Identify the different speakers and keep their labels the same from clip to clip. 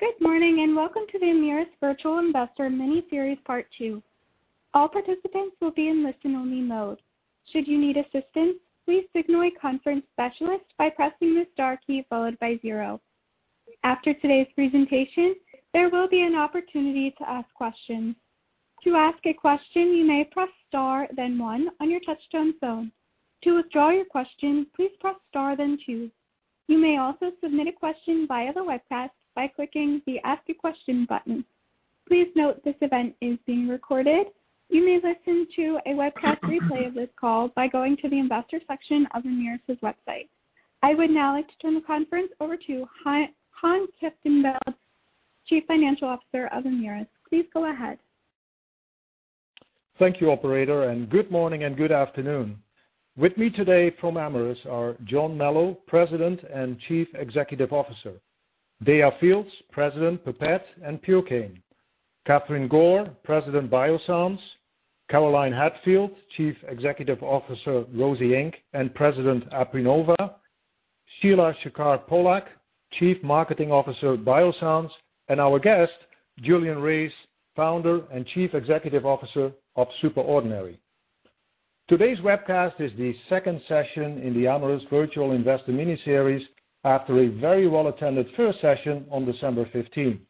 Speaker 1: Good morning and welcome to the Amyris Virtual Investor Mini-Series Part 2. All participants will be in listen-only mode. Should you need assistance, please signal a conference specialist by pressing the star key followed by zero. After today's presentation, there will be an opportunity to ask questions. To ask a question, you may press star, then one, on your touch-tone phone. To withdraw your question, please press star, then two. You may also submit a question via the webcast by clicking the Ask a Question button. Please note this event is being recorded. You may listen to a webcast replay of this call by going to the investor section of Amyris's website. I would now like to turn the conference over to Han Kieftenbeld, Chief Financial Officer of Amyris. Please go ahead.
Speaker 2: Thank you, Operator, and good morning and good afternoon. With me today from Amyris are John Melo, President and Chief Executive Officer, Daya Fields, President, Pipette and Purecane, Catherine Gore, President, Biossance, Caroline Hadfield, Chief Executive Officer, Rose Inc., and President, Aprinova, Sheila Shekar Pollak, Chief Marketing Officer, Biossance, and our guest, Julian Reis, Founder and Chief Executive Officer of SuperOrdinary. Today's webcast is the second session in the Amyris Virtual Investor Mini-Series after a very well-attended first session on December 15.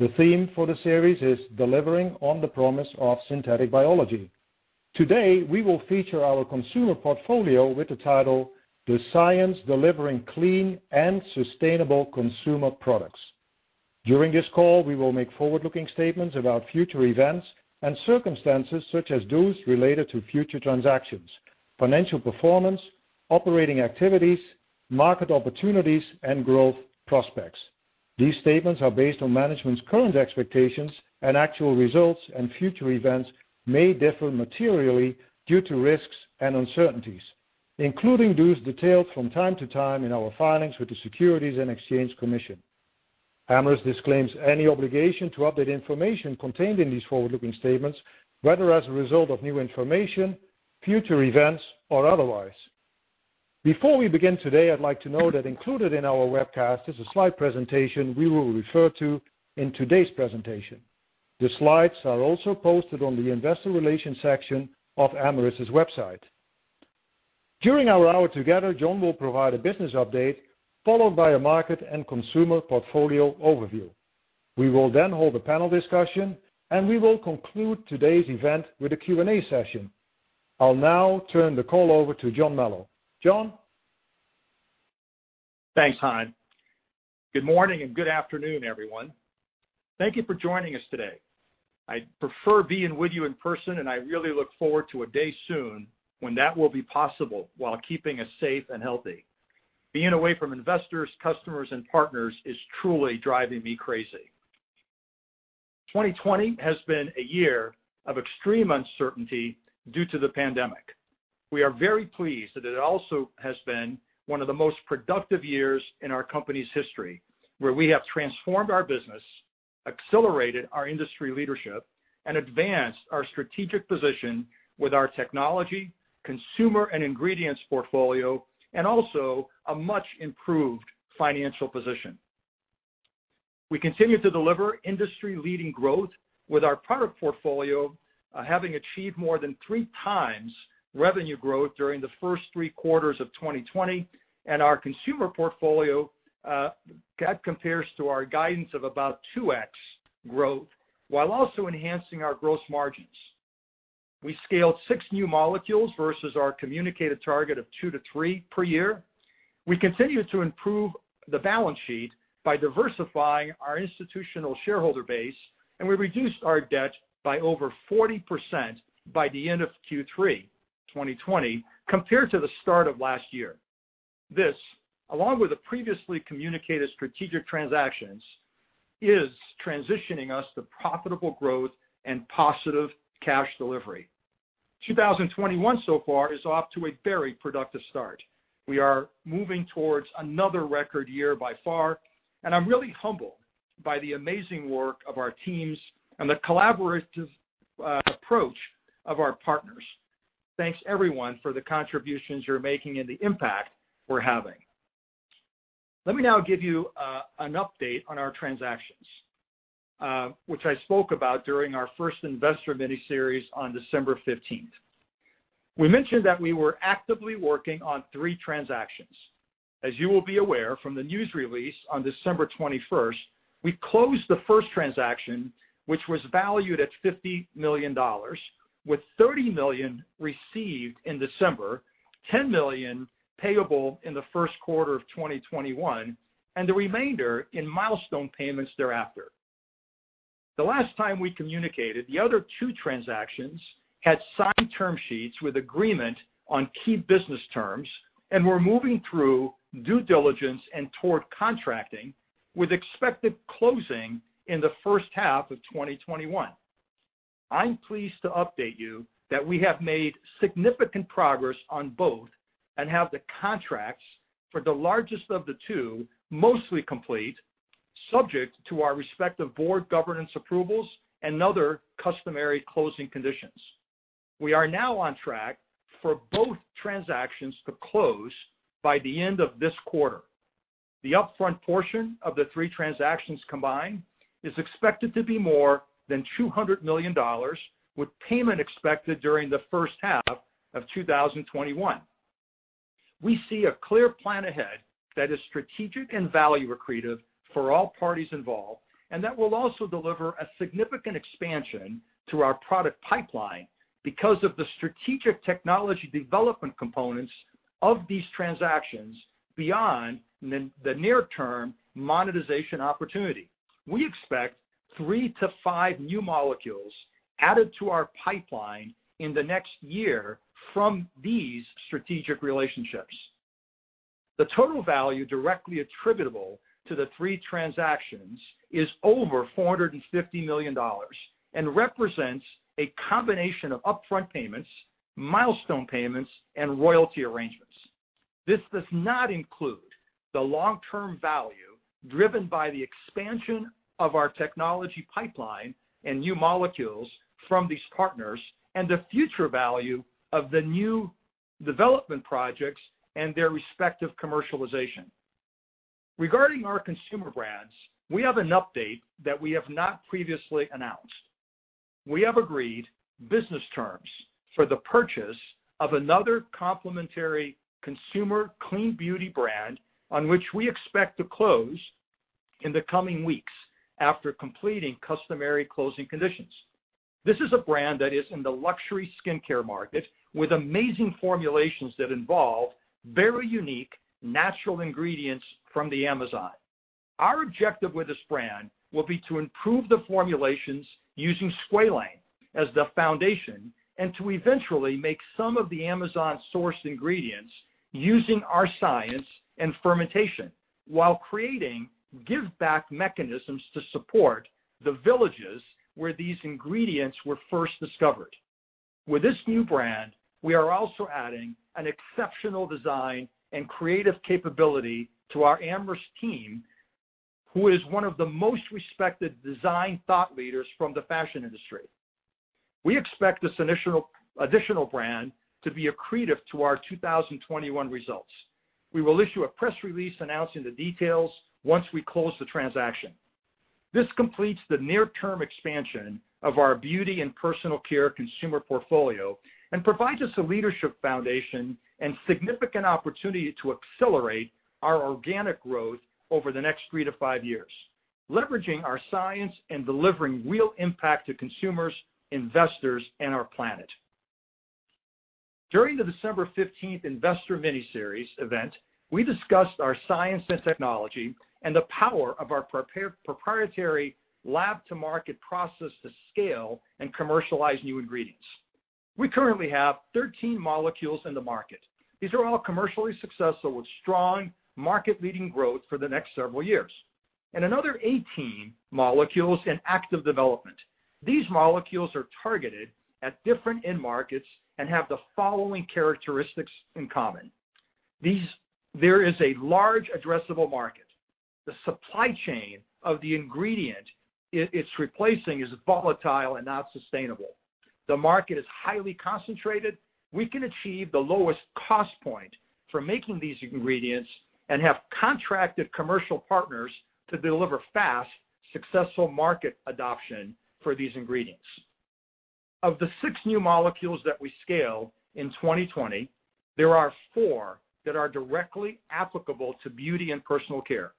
Speaker 2: The theme for the series is Delivering on the Promise of Synthetic Biology. Today, we will feature our consumer portfolio with the title "The Science Delivering Clean and Sustainable Consumer Products." During this call, we will make forward-looking statements about future events and circumstances such as those related to future transactions, financial performance, operating activities, market opportunities, and growth prospects. These statements are based on management's current expectations, and actual results and future events may differ materially due to risks and uncertainties, including those detailed from time to time in our filings with the Securities and Exchange Commission. Amyris disclaims any obligation to update information contained in these forward-looking statements, whether as a result of new information, future events, or otherwise. Before we begin today, I'd like to note that included in our webcast is a slide presentation we will refer to in today's presentation. The slides are also posted on the Investor Relations section of Amyris's website. During our hour together, John will provide a business update followed by a market and consumer portfolio overview. We will then hold a panel discussion, and we will conclude today's event with a Q&A session. I'll now turn the call over to John Melo. John?
Speaker 3: Thanks, Han. Good morning and good afternoon, everyone. Thank you for joining us today. I prefer being with you in person, and I really look forward to a day soon when that will be possible while keeping us safe and healthy. Being away from investors, customers, and partners is truly driving me crazy. 2020 has been a year of extreme uncertainty due to the pandemic. We are very pleased that it also has been one of the most productive years in our company's history, where we have transformed our business, accelerated our industry leadership, and advanced our strategic position with our technology, consumer, and ingredients portfolio, and also a much-improved financial position. We continue to deliver industry-leading growth, with our product portfolio having achieved more than three times revenue growth during the first three quarters of 2020, and our consumer portfolio compares to our guidance of about 2x growth while also enhancing our gross margins. We scaled six new molecules versus our communicated target of two to three per year. We continue to improve the balance sheet by diversifying our institutional shareholder base, and we reduced our debt by over 40% by the end of Q3 2020 compared to the start of last year. This, along with the previously communicated strategic transactions, is transitioning us to profitable growth and positive cash delivery. 2021 so far is off to a very productive start. We are moving towards another record year by far, and I'm really humbled by the amazing work of our teams and the collaborative approach of our partners. Thanks, everyone, for the contributions you're making and the impact we're having. Let me now give you an update on our transactions, which I spoke about during our first investor mini-series on December 15. We mentioned that we were actively working on three transactions. As you will be aware from the news release on December 21, we closed the first transaction, which was valued at $50 million, with $30 million received in December, $10 million payable in the first quarter of 2021, and the remainder in milestone payments thereafter. The last time we communicated, the other two transactions had signed term sheets with agreement on key business terms and were moving through due diligence and toward contracting, with expected closing in the first half of 2021. I'm pleased to update you that we have made significant progress on both and have the contracts for the largest of the two mostly complete, subject to our respective board governance approvals and other customary closing conditions. We are now on track for both transactions to close by the end of this quarter. The upfront portion of the three transactions combined is expected to be more than $200 million, with payment expected during the first half of 2021. We see a clear plan ahead that is strategic and value accretive for all parties involved, and that will also deliver a significant expansion to our product pipeline because of the strategic technology development components of these transactions beyond the near-term monetization opportunity. We expect three to five new molecules added to our pipeline in the next year from these strategic relationships. The total value directly attributable to the three transactions is over $450 million and represents a combination of upfront payments, milestone payments, and royalty arrangements. This does not include the long-term value driven by the expansion of our technology pipeline and new molecules from these partners and the future value of the new development projects and their respective commercialization. Regarding our consumer brands, we have an update that we have not previously announced. We have agreed business terms for the purchase of another complementary consumer clean beauty brand on which we expect to close in the coming weeks after completing customary closing conditions. This is a brand that is in the luxury skincare market with amazing formulations that involve very unique natural ingredients from the Amazon. Our objective with this brand will be to improve the formulations using squalane as the foundation and to eventually make some of the Amazon-sourced ingredients using our science and fermentation while creating give-back mechanisms to support the villages where these ingredients were first discovered. With this new brand, we are also adding an exceptional design and creative capability to our Amyris team, who is one of the most respected design thought leaders from the fashion industry. We expect this additional brand to be accretive to our 2021 results. We will issue a press release announcing the details once we close the transaction. This completes the near-term expansion of our beauty and personal care consumer portfolio and provides us a leadership foundation and significant opportunity to accelerate our organic growth over the next three to five years, leveraging our science and delivering real impact to consumers, investors, and our planet. During the December 15 investor mini-series event, we discussed our science and technology and the power of our proprietary Lab-to-Market process to scale and commercialize new ingredients. We currently have 13 molecules in the market. These are all commercially successful with strong market-leading growth for the next several years, and another 18 molecules in active development. These molecules are targeted at different end markets and have the following characteristics in common. There is a large addressable market. The supply chain of the ingredient it's replacing is volatile and not sustainable. The market is highly concentrated. We can achieve the lowest cost point for making these ingredients and have contracted commercial partners to deliver fast, successful market adoption for these ingredients. Of the six new molecules that we scale in 2020, there are four that are directly applicable to beauty and personal care.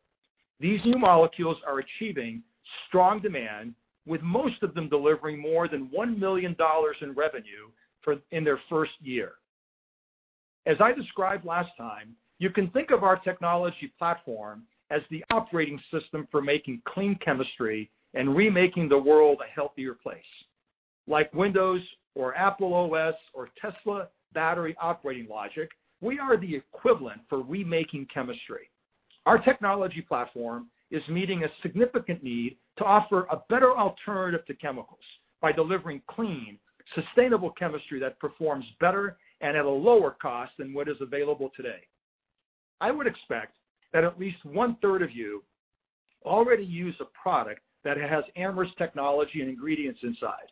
Speaker 3: These new molecules are achieving strong demand, with most of them delivering more than $1 million in revenue in their first year. As I described last time, you can think of our technology platform as the operating system for making clean chemistry and remaking the world a healthier place. Like Windows or Apple OS or Tesla battery operating logic, we are the equivalent for remaking chemistry. Our technology platform is meeting a significant need to offer a better alternative to chemicals by delivering clean, sustainable chemistry that performs better and at a lower cost than what is available today. I would expect that at least one-third of you already use a product that has Amyris technology and ingredients inside.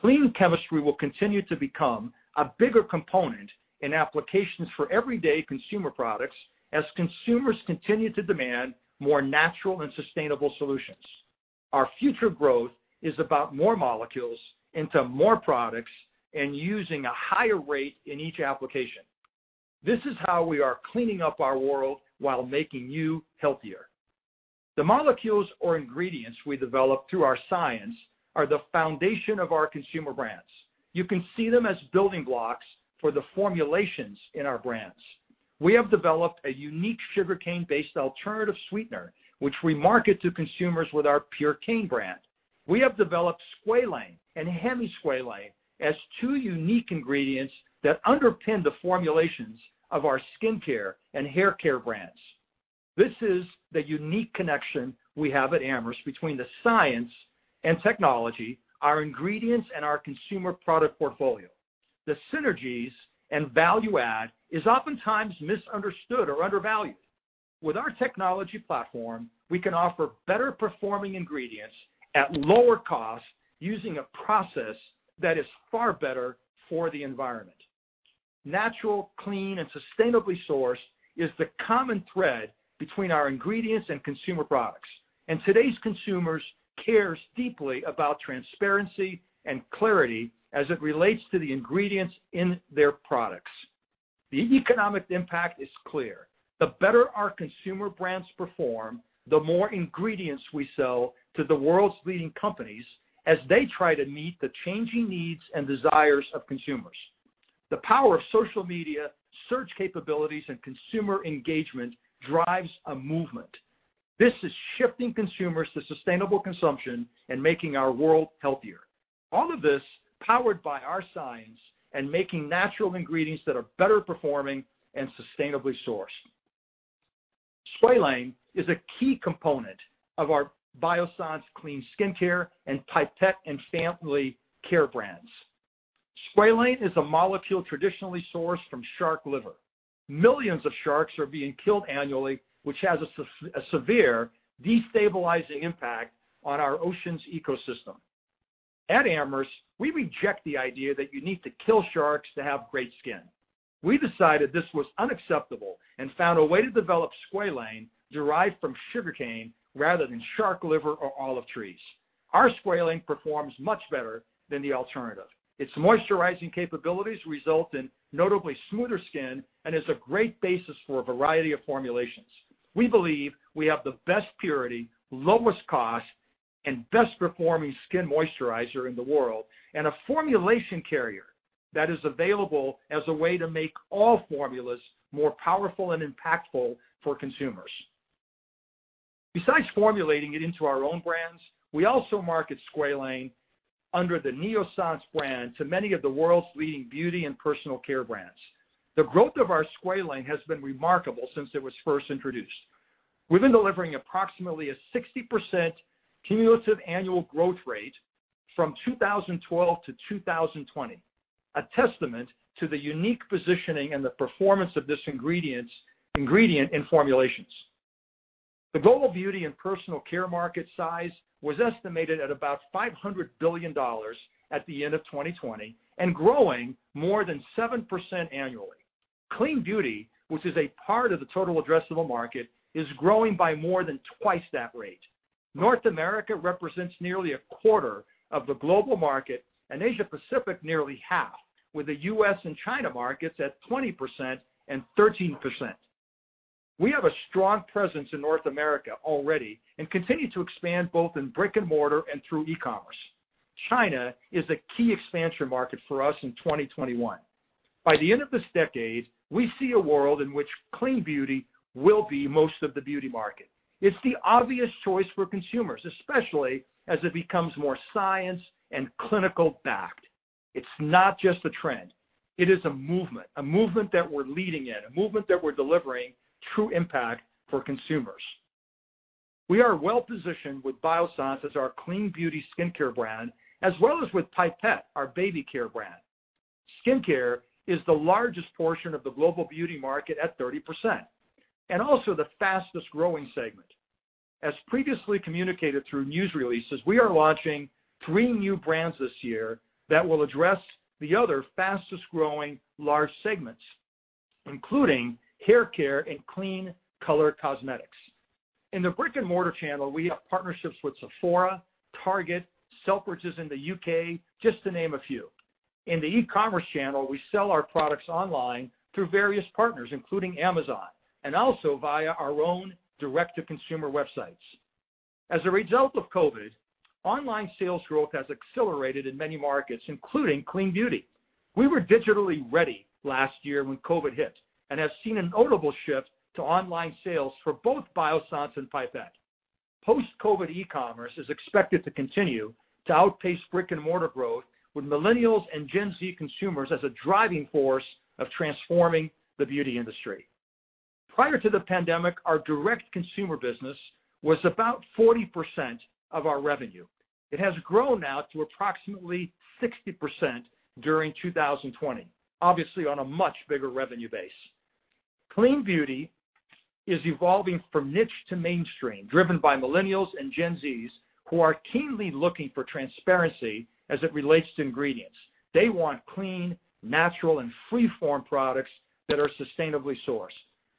Speaker 3: Clean chemistry will continue to become a bigger component in applications for everyday consumer products as consumers continue to demand more natural and sustainable solutions. Our future growth is about more molecules into more products and using a higher rate in each application. This is how we are cleaning up our world while making you healthier. The molecules or ingredients we develop through our science are the foundation of our consumer brands. You can see them as building blocks for the formulations in our brands. We have developed a unique sugarcane-based alternative sweetener, which we market to consumers with our Purecane brand. We have developed squalane and hemisqualane as two unique ingredients that underpin the formulations of our skincare and hair care brands. This is the unique connection we have at Amyris between the science and technology, our ingredients, and our consumer product portfolio. The synergies and value add is oftentimes misunderstood or undervalued. With our technology platform, we can offer better-performing ingredients at lower cost using a process that is far better for the environment. Natural, clean, and sustainably sourced is the common thread between our ingredients and consumer products, and today's consumers care deeply about transparency and clarity as it relates to the ingredients in their products. The economic impact is clear. The better our consumer brands perform, the more ingredients we sell to the world's leading companies as they try to meet the changing needs and desires of consumers. The power of social media, search capabilities, and consumer engagement drives a movement. This is shifting consumers to sustainable consumption and making our world healthier. All of this powered by our science and making natural ingredients that are better performing and sustainably sourced. Squalane is a key component of our Biossance clean skincare and Pipette and family care brands. Squalane is a molecule traditionally sourced from shark liver. Millions of sharks are being killed annually, which has a severe destabilizing impact on our ocean's ecosystem. At Amyris, we reject the idea that you need to kill sharks to have great skin. We decided this was unacceptable and found a way to develop squalane derived from sugarcane rather than shark liver or olive trees. Our squalane performs much better than the alternative. Its moisturizing capabilities result in notably smoother skin and is a great basis for a variety of formulations. We believe we have the best purity, lowest cost, and best-performing skin moisturizer in the world and a formulation carrier that is available as a way to make all formulas more powerful and impactful for consumers. Besides formulating it into our own brands, we also market squalane under the Neossance brand to many of the world's leading beauty and personal care brands. The growth of our squalane has been remarkable since it was first introduced. We've been delivering approximately a 60% cumulative annual growth rate from 2012 to 2020, a testament to the unique positioning and the performance of this ingredient in formulations. The global beauty and personal care market size was estimated at about $500 billion at the end of 2020 and growing more than 7% annually. Clean beauty, which is a part of the total addressable market, is growing by more than twice that rate. North America represents nearly a quarter of the global market and Asia-Pacific nearly half, with the U.S. and China markets at 20% and 13%. We have a strong presence in North America already and continue to expand both in brick and mortar and through e-commerce. China is a key expansion market for us in 2021. By the end of this decade, we see a world in which clean beauty will be most of the beauty market. It's the obvious choice for consumers, especially as it becomes more science and clinical-backed. It's not just a trend. It is a movement, a movement that we're leading in, a movement that we're delivering true impact for consumers. We are well-positioned with Biossance as our clean beauty skincare brand, as well as with Pipette, our baby care brand. Skincare is the largest portion of the global beauty market at 30% and also the fastest-growing segment. As previously communicated through news releases, we are launching three new brands this year that will address the other fastest-growing large segments, including hair care and clean color cosmetics. In the brick-and-mortar channel, we have partnerships with Sephora, Target, Selfridges in the U.K., just to name a few. In the e-commerce channel, we sell our products online through various partners, including Amazon and also via our own direct-to-consumer websites. As a result of COVID, online sales growth has accelerated in many markets, including clean beauty. We were digitally ready last year when COVID hit and have seen a notable shift to online sales for both Biossance and Pipette. Post-COVID e-commerce is expected to continue to outpace brick-and-mortar growth with millennials and Gen Z consumers as a driving force of transforming the beauty industry. Prior to the pandemic, our direct consumer business was about 40% of our revenue. It has grown now to approximately 60% during 2020, obviously on a much bigger revenue base. Clean beauty is evolving from niche to mainstream, driven by millennials and Gen Zs who are keenly looking for transparency as it relates to ingredients. They want clean, natural, and free-from products that are sustainably sourced.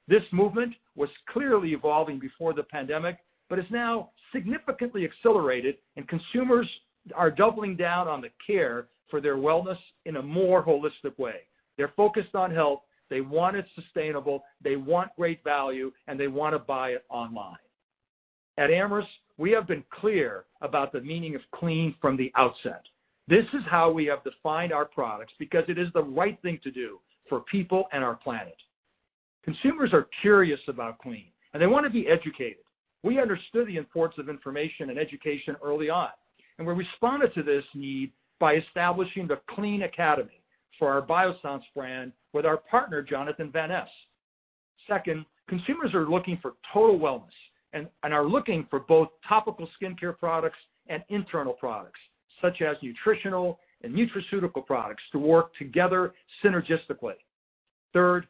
Speaker 3: This movement was clearly evolving before the pandemic but is now significantly accelerated, and consumers are doubling down on the care for their wellness in a more holistic way. They're focused on health. They want it sustainable. They want great value, and they want to buy it online. At Amyris, we have been clear about the meaning of clean from the outset. This is how we have defined our products because it is the right thing to do for people and our planet. Consumers are curious about clean, and they want to be educated. We understood the importance of information and education early on, and we responded to this need by establishing the Clean Academy for our Biossance brand with our partner, Jonathan Van Ness. Second, consumers are looking for total wellness and are looking for both topical skincare products and internal products, such as nutritional and nutraceutical products, to work together synergistically. Third,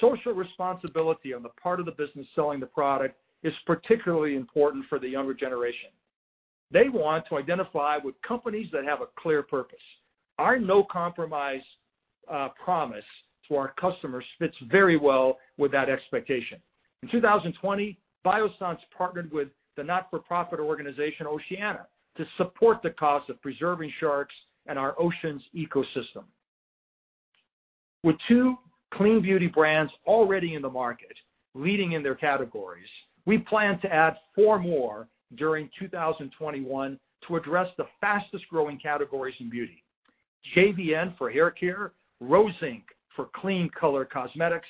Speaker 3: social responsibility on the part of the business selling the product is particularly important for the younger generation. They want to identify with companies that have a clear purpose. Our no-compromise promise to our customers fits very well with that expectation. In 2020, Biossance partnered with the not-for-profit organization Oceana to support the cause of preserving sharks and our ocean's ecosystem. With two clean beauty brands already in the market leading in their categories, we plan to add four more during 2021 to address the fastest-growing categories in beauty: JVN for hair care, Rose Inc. for clean color cosmetics,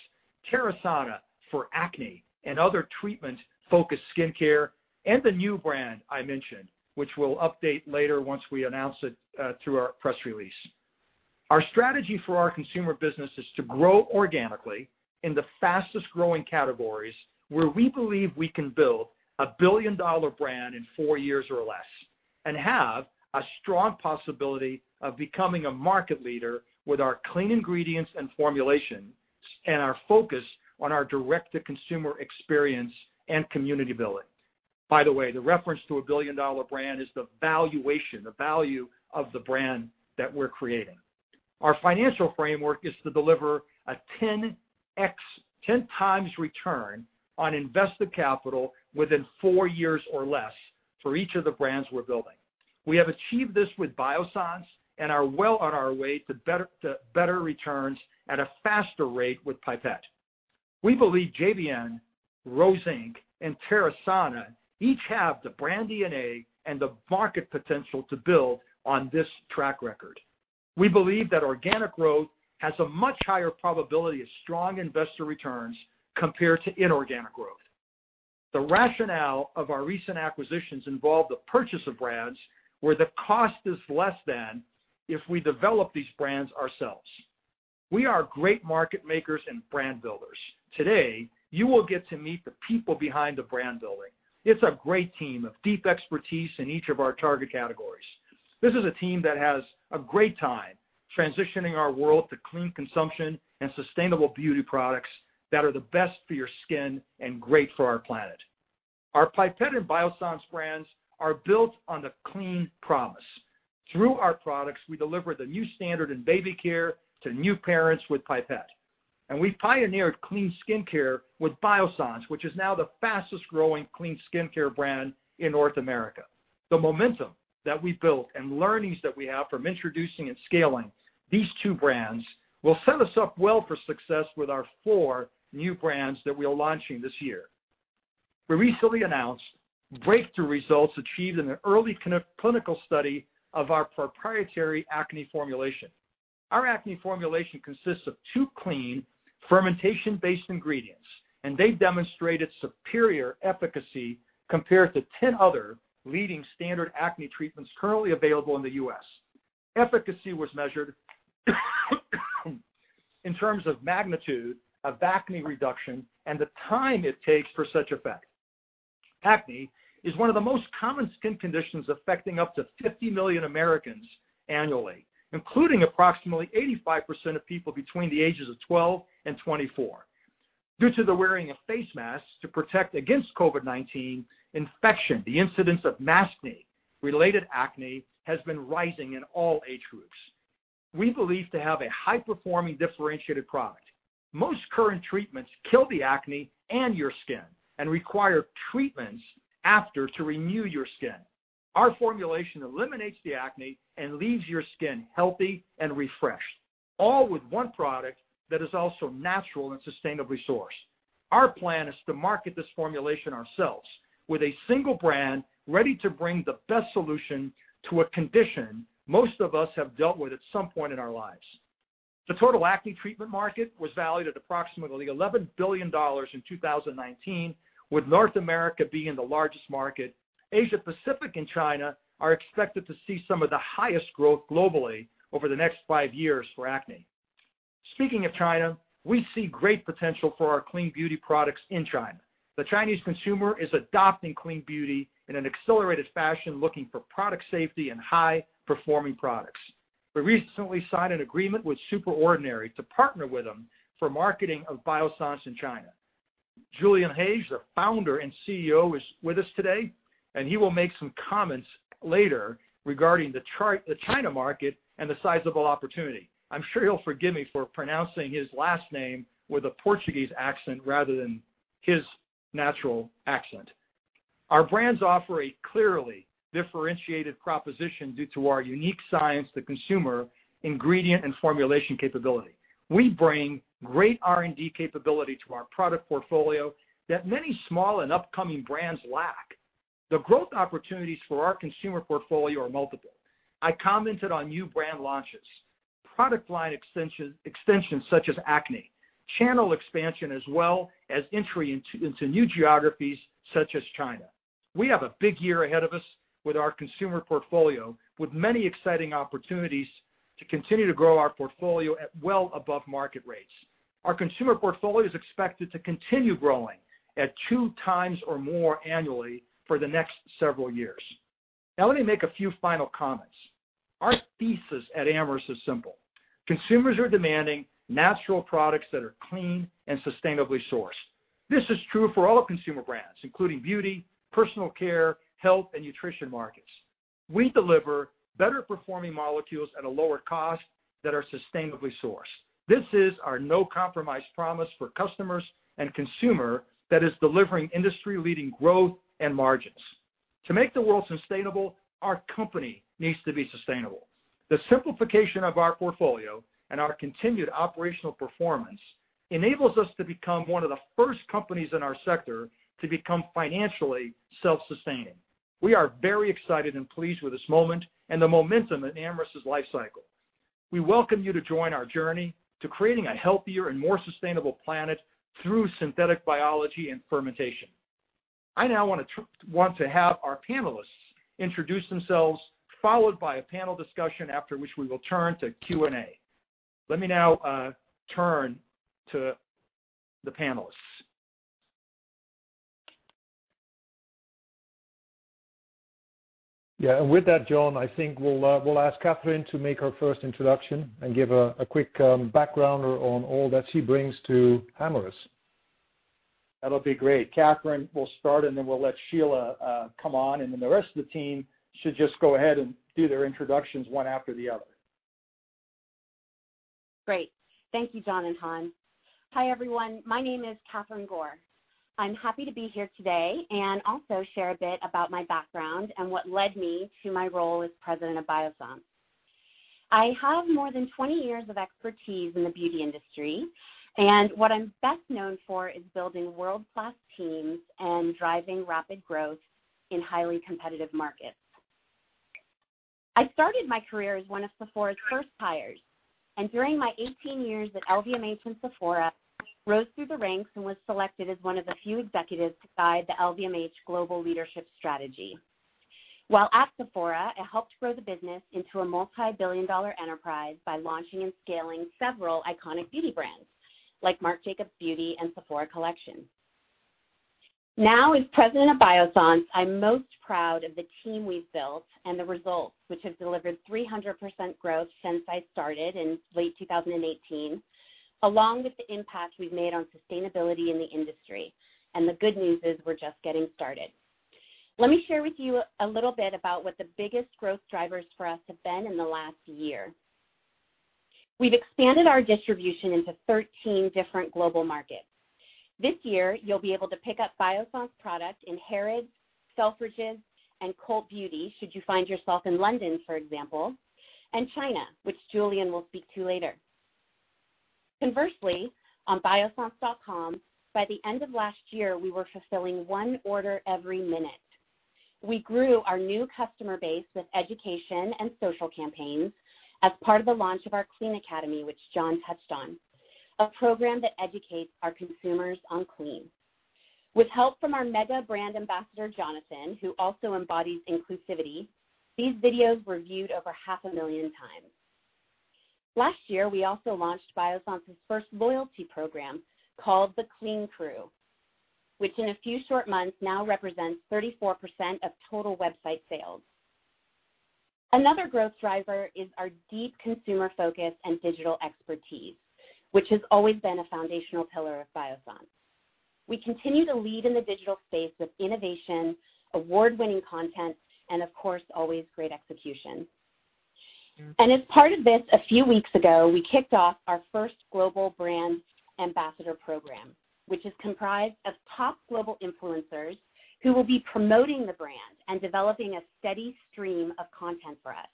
Speaker 3: Terasana for acne and other treatment-focused skincare, and the new brand I mentioned, which we'll update later once we announce it through our press release. Our strategy for our consumer business is to grow organically in the fastest-growing categories where we believe we can build a billion-dollar brand in four years or less and have a strong possibility of becoming a market leader with our clean ingredients and formulation and our focus on our direct-to-consumer experience and community building. By the way, the reference to a billion-dollar brand is the valuation, the value of the brand that we're creating. Our financial framework is to deliver a 10X, 10X return on invested capital within four years or less for each of the brands we're building. We have achieved this with Biossance and are well on our way to better returns at a faster rate with Pipette. We believe JVN, Rose Inc., and Terasana each have the brand DNA and the market potential to build on this track record. We believe that organic growth has a much higher probability of strong investor returns compared to inorganic growth. The rationale of our recent acquisitions involved the purchase of brands where the cost is less than if we develop these brands ourselves. We are great market makers and brand builders. Today, you will get to meet the people behind the brand building. It's a great team of deep expertise in each of our target categories. This is a team that has a great time transitioning our world to clean consumption and sustainable beauty products that are the best for your skin and great for our planet. Our Pipette and Biossance brands are built on the clean promise. Through our products, we deliver the new standard in baby care to new parents with Pipette. And we've pioneered clean skincare with Biossance, which is now the fastest-growing clean skincare brand in North America. The momentum that we built and learnings that we have from introducing and scaling these two brands will set us up well for success with our four new brands that we are launching this year. We recently announced breakthrough results achieved in an early clinical study of our proprietary acne formulation. Our acne formulation consists of two clean fermentation-based ingredients, and they've demonstrated superior efficacy compared to 10 other leading standard acne treatments currently available in the U.S. Efficacy was measured in terms of magnitude of acne reduction and the time it takes for such effect. Acne is one of the most common skin conditions affecting up to 50 million Americans annually, including approximately 85% of people between the ages of 12 and 24. Due to the wearing of face masks to protect against COVID-19 infection, the incidence of mask-related acne has been rising in all age groups. We believe to have a high-performing differentiated product. Most current treatments kill the acne and your skin and require treatments after to renew your skin. Our formulation eliminates the acne and leaves your skin healthy and refreshed, all with one product that is also natural and sustainably sourced. Our plan is to market this formulation ourselves with a single brand ready to bring the best solution to a condition most of us have dealt with at some point in our lives. The total acne treatment market was valued at approximately $11 billion in 2019, with North America being the largest market. Asia-Pacific and China are expected to see some of the highest growth globally over the next five years for acne. Speaking of China, we see great potential for our clean beauty products in China. The Chinese consumer is adopting clean beauty in an accelerated fashion, looking for product safety and high-performing products. We recently signed an agreement with SuperOrdinary to partner with them for marketing of Biossance in China. Julian Reis, the founder and CEO, is with us today, and he will make some comments later regarding the China market and the sizable opportunity. I'm sure he'll forgive me for pronouncing his last name with a Portuguese accent rather than his natural accent. Our brands offer a clearly differentiated proposition due to our unique science, the consumer ingredient, and formulation capability. We bring great R&D capability to our product portfolio that many small and upcoming brands lack. The growth opportunities for our consumer portfolio are multiple. I commented on new brand launches, product line extensions such as acne, channel expansion, as well as entry into new geographies such as China. We have a big year ahead of us with our consumer portfolio, with many exciting opportunities to continue to grow our portfolio at well above market rates. Our consumer portfolio is expected to continue growing at two times or more annually for the next several years. Now, let me make a few final comments. Our thesis at Amyris is simple. Consumers are demanding natural products that are clean and sustainably sourced. This is true for all consumer brands, including beauty, personal care, health, and nutrition markets. We deliver better-performing molecules at a lower cost that are sustainably sourced. This is our no-compromise promise for customers and consumers that is delivering industry-leading growth and margins. To make the world sustainable, our company needs to be sustainable. The simplification of our portfolio and our continued operational performance enables us to become one of the first companies in our sector to become financially self-sustaining. We are very excited and pleased with this moment and the momentum in Amyris's life cycle. We welcome you to join our journey to creating a healthier and more sustainable planet through synthetic biology and fermentation. I now want to have our panelists introduce themselves, followed by a panel discussion, after which we will turn to Q&A. Let me now turn to the panelists.
Speaker 2: Yeah, and with that, John, I think we'll ask Catherine to make her first introduction and give a quick background on all that she brings to Amyris.
Speaker 3: That'll be great. Catherine, we'll start, and then we'll let Sheila come on. And then the rest of the team should just go ahead and do their introductions one after the other.
Speaker 4: Great. Thank you, John and Han. Hi, everyone. My name is Catherine Gore. I'm happy to be here today and also share a bit about my background and what led me to my role as president of Biossance. I have more than 20 years of expertise in the beauty industry, and what I'm best known for is building world-class teams and driving rapid growth in highly competitive markets. I started my career as one of Sephora's first hires, and during my 18 years at LVMH and Sephora, I rose through the ranks and was selected as one of the few executives to guide the LVMH global leadership strategy. While at Sephora, I helped grow the business into a multi-billion-dollar enterprise by launching and scaling several iconic beauty brands like Marc Jacobs Beauty and Sephora Collection. Now, as president of Biossance, I'm most proud of the team we've built and the results, which have delivered 300% growth since I started in late 2018, along with the impact we've made on sustainability in the industry. And the good news is we're just getting started. Let me share with you a little bit about what the biggest growth drivers for us have been in the last year. We've expanded our distribution into 13 different global markets. This year, you'll be able to pick up Biossance products in Harrods, Selfridges, and Cult Beauty should you find yourself in London, for example, and China, which Julian will speak to later. Conversely, on Biossance.com, by the end of last year, we were fulfilling one order every minute. We grew our new customer base with education and social campaigns as part of the launch of our Clean Academy, which John touched on, a program that educates our consumers on clean. With help from our mega brand ambassador, Jonathan, who also embodies inclusivity, these videos were viewed over 500,000 times. Last year, we also launched Biossance's first loyalty program called the Clean Crew, which in a few short months now represents 34% of total website sales. Another growth driver is our deep consumer focus and digital expertise, which has always been a foundational pillar of Biossance. We continue to lead in the digital space with innovation, award-winning content, and, of course, always great execution. As part of this, a few weeks ago, we kicked off our first global brand ambassador program, which is comprised of top global influencers who will be promoting the brand and developing a steady stream of content for us.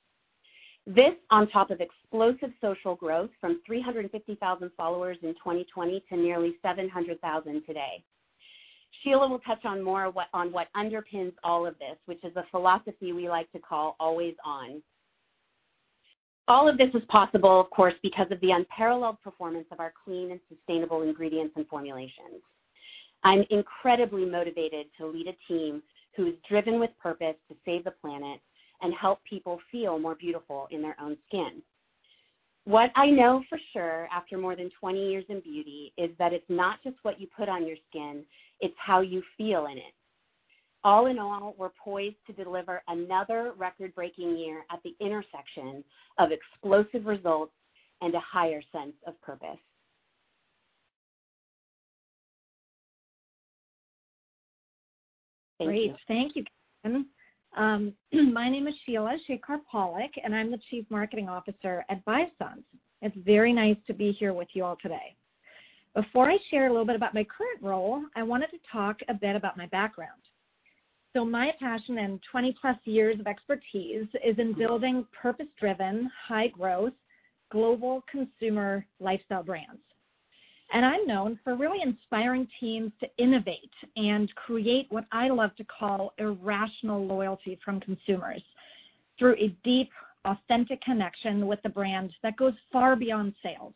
Speaker 4: This, on top of explosive social growth from 350,000 followers in 2020 to nearly 700,000 today. Sheila will touch on more on what underpins all of this, which is a philosophy we like to call Always On. All of this is possible, of course, because of the unparalleled performance of our clean and sustainable ingredients and formulations. I'm incredibly motivated to lead a team who is driven with purpose to save the planet and help people feel more beautiful in their own skin. What I know for sure after more than 20 years in beauty is that it's not just what you put on your skin. It's how you feel in it. All in all, we're poised to deliver another record-breaking year at the intersection of explosive results and a higher sense of purpose.
Speaker 5: Great. Thank you, Kieftenbeld. My name is Sheila Shekar Pollak, and I'm the Chief Marketing Officer at Biossance. It's very nice to be here with you all today. Before I share a little bit about my current role, I wanted to talk a bit about my background. So my passion and 20-plus years of expertise is in building purpose-driven, high-growth, global consumer lifestyle brands, and I'm known for really inspiring teams to innovate and create what I love to call irrational loyalty from consumers through a deep, authentic connection with the brand that goes far beyond sales.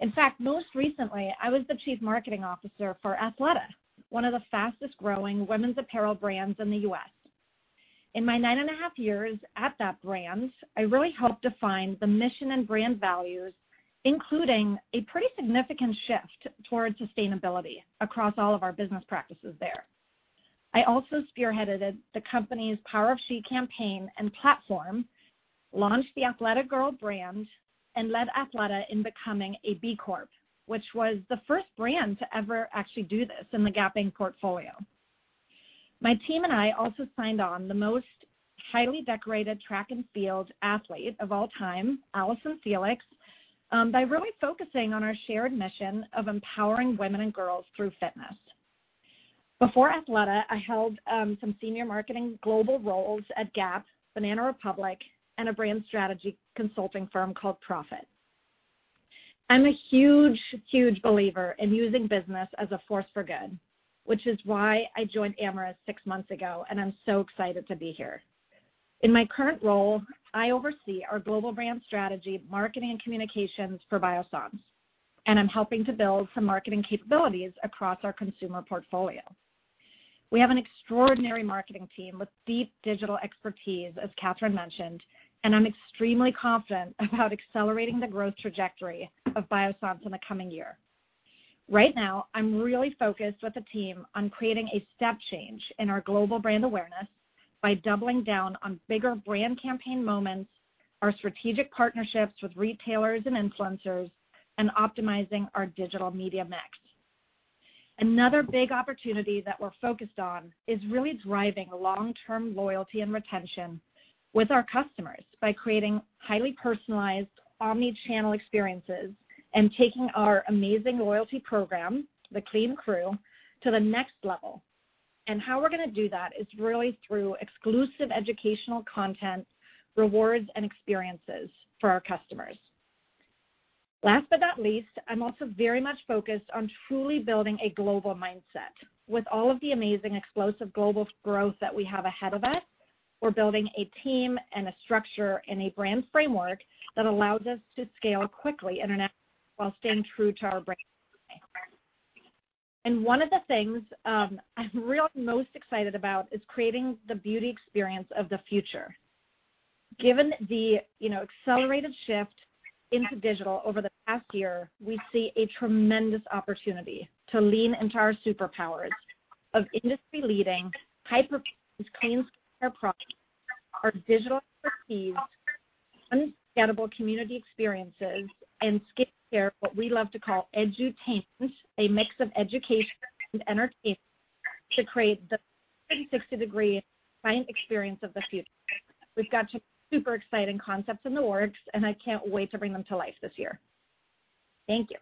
Speaker 5: In fact, most recently, I was the Chief Marketing Officer for Athleta, one of the fastest-growing women's apparel brands in the U.S. In my nine and a half years at that brand, I really helped define the mission and brand values, including a pretty significant shift towards sustainability across all of our business practices there. I also spearheaded the company's Power of She campaign and platform, launched the Athleta Girl brand, and led Athleta in becoming a B Corp, which was the first brand to ever actually do this in the Gap Inc. portfolio. My team and I also signed on the most highly decorated track and field athlete of all time, Allyson Felix, by really focusing on our shared mission of empowering women and girls through fitness. Before Athleta, I held some senior marketing global roles at Gap, Banana Republic, and a brand strategy consulting firm called Prophet. I'm a huge, huge believer in using business as a force for good, which is why I joined Amyris six months ago, and I'm so excited to be here. In my current role, I oversee our global brand strategy, marketing, and communications for Biossance, and I'm helping to build some marketing capabilities across our consumer portfolio. We have an extraordinary marketing team with deep digital expertise, as Catherine mentioned, and I'm extremely confident about accelerating the growth trajectory of Biossance in the coming year. Right now, I'm really focused with the team on creating a step change in our global brand awareness by doubling down on bigger brand campaign moments, our strategic partnerships with retailers and influencers, and optimizing our digital media mix. Another big opportunity that we're focused on is really driving long-term loyalty and retention with our customers by creating highly personalized omnichannel experiences and taking our amazing loyalty program, the Clean Crew, to the next level. And how we're going to do that is really through exclusive educational content, rewards, and experiences for our customers. Last but not least, I'm also very much focused on truly building a global mindset. With all of the amazing explosive global growth that we have ahead of us, we're building a team and a structure and a brand framework that allows us to scale quickly while staying true to our brand. And one of the things I'm really most excited about is creating the beauty experience of the future. Given the accelerated shift into digital over the past year, we see a tremendous opportunity to lean into our superpowers of industry-leading, high-performance clean skincare products, our digital expertise, unforgettable community experiences, and skincare, what we love to call edutainment, a mix of education and entertainment to create the 360-degree client experience of the future. We've got some super exciting concepts in the works, and I can't wait to bring them to life this year. Thank you.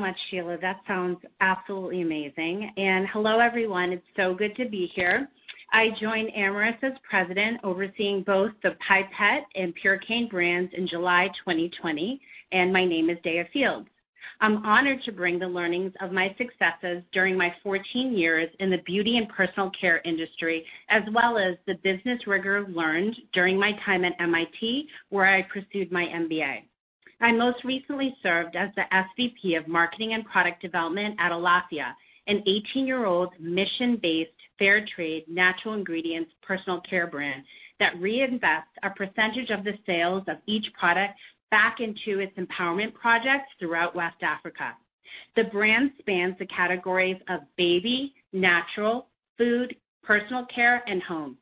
Speaker 6: Thank you so much, Sheila. That sounds absolutely amazing, and hello, everyone. It's so good to be here. I joined Amyris as President, overseeing both the Pipette and Purecane brands in July 2020, and my name is Daya Fields. I'm honored to bring the learnings of my successes during my 14 years in the beauty and personal care industry, as well as the business rigor learned during my time at MIT, where I pursued my MBA. I most recently served as the SVP of Marketing and Product Development at Alaffia, an 18-year-old mission-based fair-trade natural ingredients personal care brand that reinvests a percentage of the sales of each product back into its empowerment projects throughout West Africa. The brand spans the categories of baby, natural, food, personal care, and home.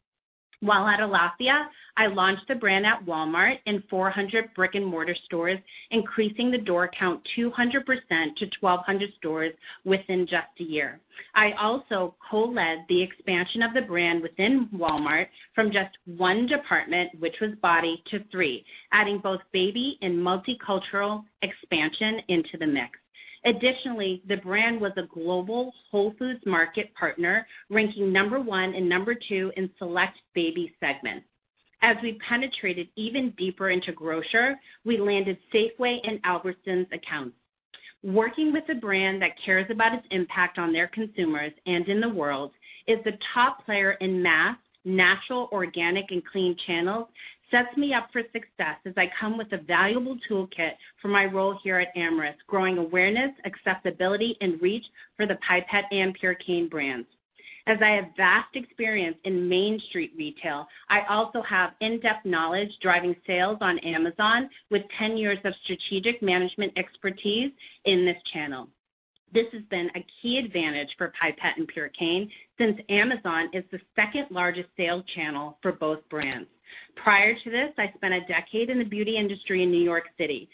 Speaker 6: While at Alaffia, I launched the brand at Walmart and 400 brick-and-mortar stores, increasing the door count 200% to 1,200 stores within just a year. I also co-led the expansion of the brand within Walmart from just one department, which was body, to three, adding both baby and multicultural expansion into the mix. Additionally, the brand was a global Whole Foods Market partner, ranking number one and number two in select baby segments. As we penetrated even deeper into grocery, we landed Safeway and Albertsons accounts. Working with a brand that cares about its impact on their consumers and in the world, the top player in mass, natural, organic, and clean channels, sets me up for success as I come with a valuable toolkit for my role here at Amyris, growing awareness, accessibility, and reach for the Pipette and Purecane brands. As I have vast experience in Main Street retail, I also have in-depth knowledge driving sales on Amazon with 10 years of strategic management expertise in this channel. This has been a key advantage for Pipette and Purecane since Amazon is the second-largest sales channel for both brands. Prior to this, I spent a decade in the beauty industry in New York City,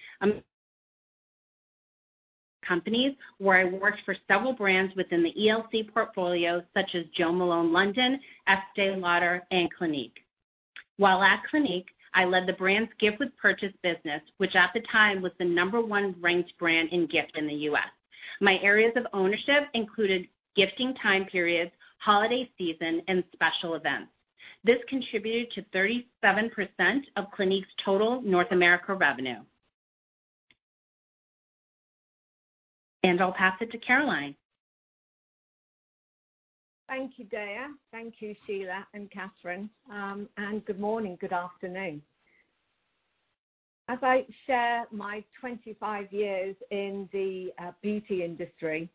Speaker 6: companies where I worked for several brands within the ELC portfolio, such as Jo Malone London, Estée Lauder, and Clinique. While at Clinique, I led the brand's gift with purchase business, which at the time was the number one ranked brand in gift in the U.S. My areas of ownership included gifting time periods, holiday season, and special events. This contributed to 37% of Clinique's total North America revenue, and I'll pass it to Caroline.
Speaker 7: Thank you, Daya. Thank you, Sheila and Catherine. And good morning, good afternoon. As I share my 25 years in the beauty industry,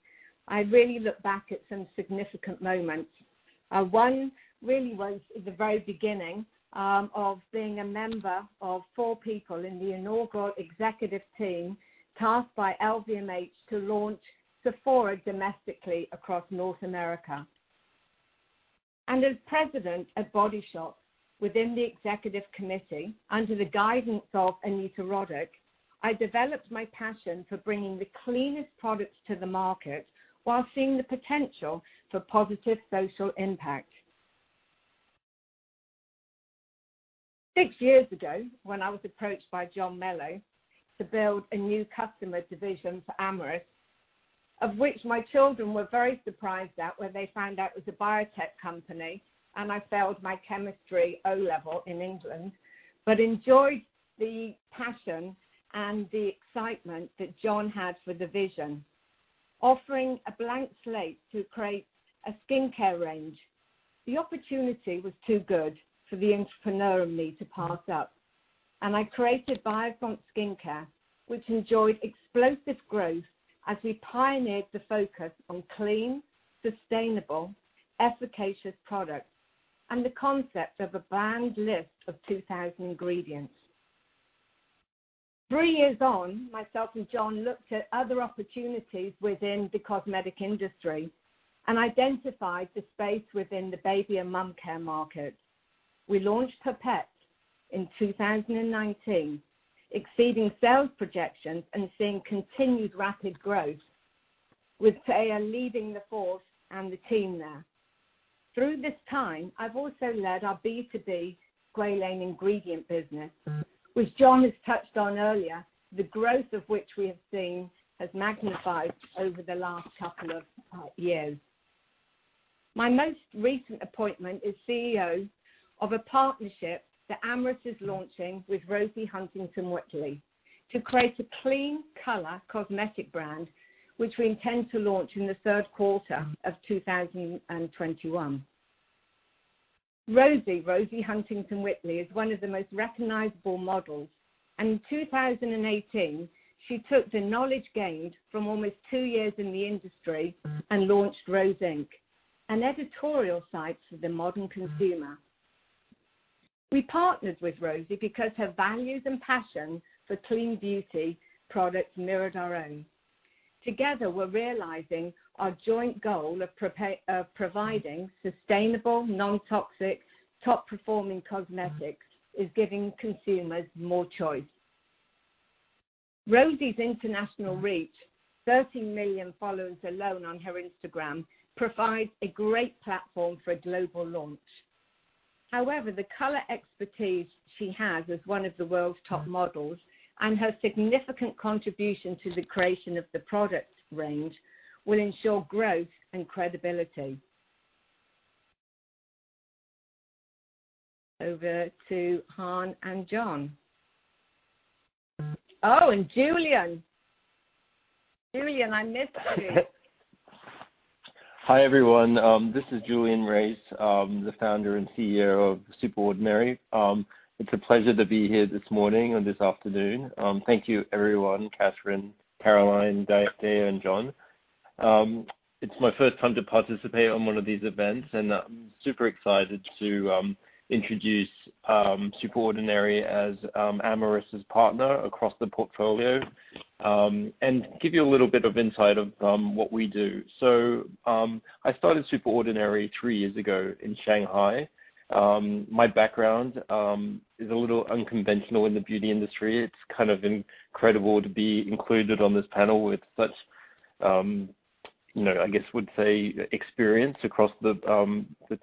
Speaker 7: I really look back at some significant moments. One really was the very beginning of being a member of four people in the inaugural executive team tasked by LVMH to launch Sephora domestically across North America. And as President at Body Shop, within the executive committee, under the guidance of Anita Roddick, I developed my passion for bringing the cleanest products to the market while seeing the potential for positive social impact. Six years ago, when I was approached by John Melo to build a new customer division for Amyris, of which my children were very surprised at when they found out it was a biotech company and I failed my chemistry O level in England, but enjoyed the passion and the excitement that John had for the vision. Offering a blank slate to create a skincare range, the opportunity was too good for the entrepreneur in me to pass up, and I created Biossance Skincare, which enjoyed explosive growth as we pioneered the focus on clean, sustainable, efficacious products and the concept of a banned list of 2,000 ingredients. Three years on, myself and John looked at other opportunities within the cosmetic industry and identified the space within the baby and mom care market. We launched Pipette in 2019, exceeding sales projections and seeing continued rapid growth, with Daya leading the charge and the team there. Through this time, I've also led our B2B squalane ingredient business, which John has touched on earlier, the growth of which we have seen has magnified over the last couple of years. My most recent appointment is CEO of a partnership that Amyris is launching with Rosie Huntington-Whiteley to create a clean color cosmetic brand, which we intend to launch in the third quarter of 2021. Rosie, Rosie Huntington-Whiteley, is one of the most recognizable models. In 2018, she took the knowledge gained from almost two years in the industry and launched Rose Inc., an editorial site for the modern consumer. We partnered with Rosie because her values and passion for clean beauty products mirrored our own. Together, we're realizing our joint goal of providing sustainable, non-toxic, top-performing cosmetics is giving consumers more choice. Rosie's international reach, 30 million followers alone on her Instagram, provides a great platform for a global launch. However, the color expertise she has as one of the world's top models and her significant contribution to the creation of the product range will ensure growth and credibility. Over to Han and John. Oh, and Julian. Julian, I missed you.
Speaker 8: Hi everyone. This is Julian Reis, the founder and CEO of SuperOrdinary. It's a pleasure to be here this morning and this afternoon. Thank you, everyone, Catherine, Caroline, Daya, and John. It's my first time to participate on one of these events, and I'm super excited to introduce SuperOrdinary as Amyris's partner across the portfolio and give you a little bit of insight of what we do. So I started SuperOrdinary three years ago in Shanghai. My background is a little unconventional in the beauty industry. It's kind of incredible to be included on this panel with such, I guess, would say, experience across the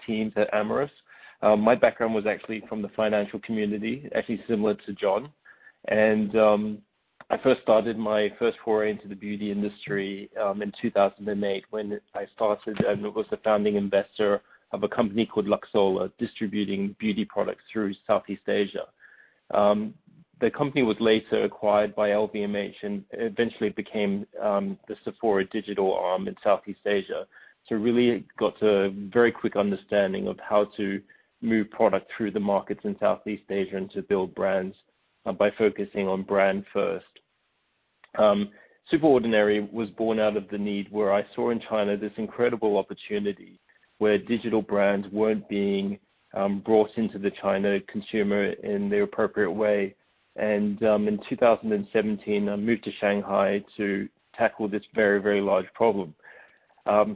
Speaker 8: teams at Amyris. My background was actually from the financial community, actually similar to John. I first started my first foray into the beauty industry in 2008 when I started and was the founding investor of a company called Luxola, distributing beauty products through Southeast Asia. The company was later acquired by LVMH and eventually became the Sephora digital arm in Southeast Asia. I really got a very quick understanding of how to move product through the markets in Southeast Asia and to build brands by focusing on brand first. SuperOrdinary was born out of the need where I saw in China this incredible opportunity where digital brands weren't being brought into the China consumer in the appropriate way. In 2017, I moved to Shanghai to tackle this very, very large problem.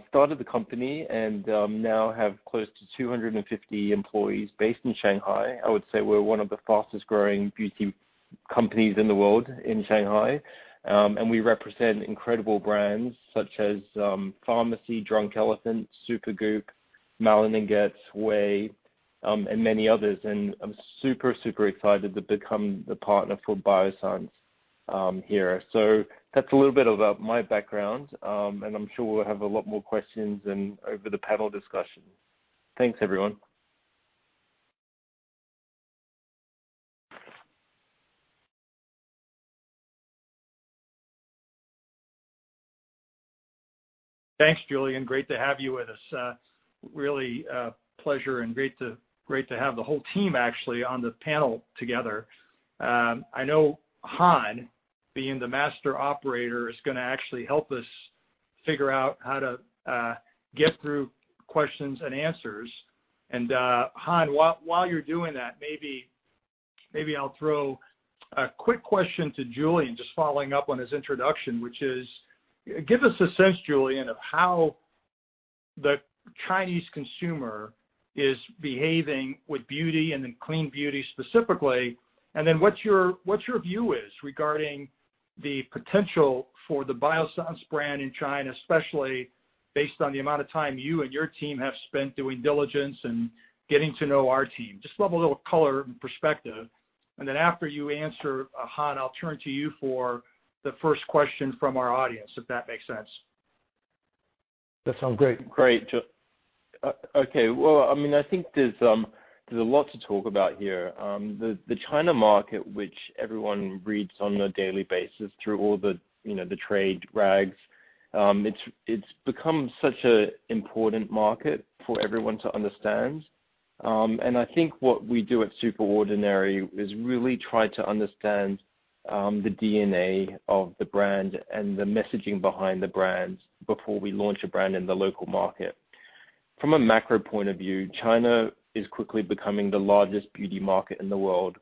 Speaker 8: Started the company and now have close to 250 employees based in Shanghai. I would say we're one of the fastest growing beauty companies in the world in Shanghai. And we represent incredible brands such as Farmacy, Drunk Elephant, Supergoop, Malin+Goetz, OUAI, and many others. And I'm super, super excited to become the partner for Biossance here. So that's a little bit about my background, and I'm sure we'll have a lot more questions over the panel discussion. Thanks, everyone.
Speaker 3: Thanks, Julian. Great to have you with us. Really a pleasure and great to have the whole team actually on the panel together. I know Han, being the master operator, is going to actually help us figure out how to get through questions and answers, and Han, while you're doing that, maybe I'll throw a quick question to Julian, just following up on his introduction, which is, give us a sense, Julian, of how the Chinese consumer is behaving with beauty and then clean beauty specifically, and then what's your view regarding the potential for the Biossance brand in China, especially based on the amount of time you and your team have spent doing diligence and getting to know our team? Just love a little color and perspective, and then after you answer, Han, I'll turn to you for the first question from our audience, if that makes sense.
Speaker 2: That sounds great.
Speaker 8: Great. Okay. Well, I mean, I think there's a lot to talk about here. The China market, which everyone reads on a daily basis through all the trade rags, it's become such an important market for everyone to understand. And I think what we do at SuperOrdinary is really try to understand the DNA of the brand and the messaging behind the brand before we launch a brand in the local market. From a macro point of view, China is quickly becoming the largest beauty market in the world.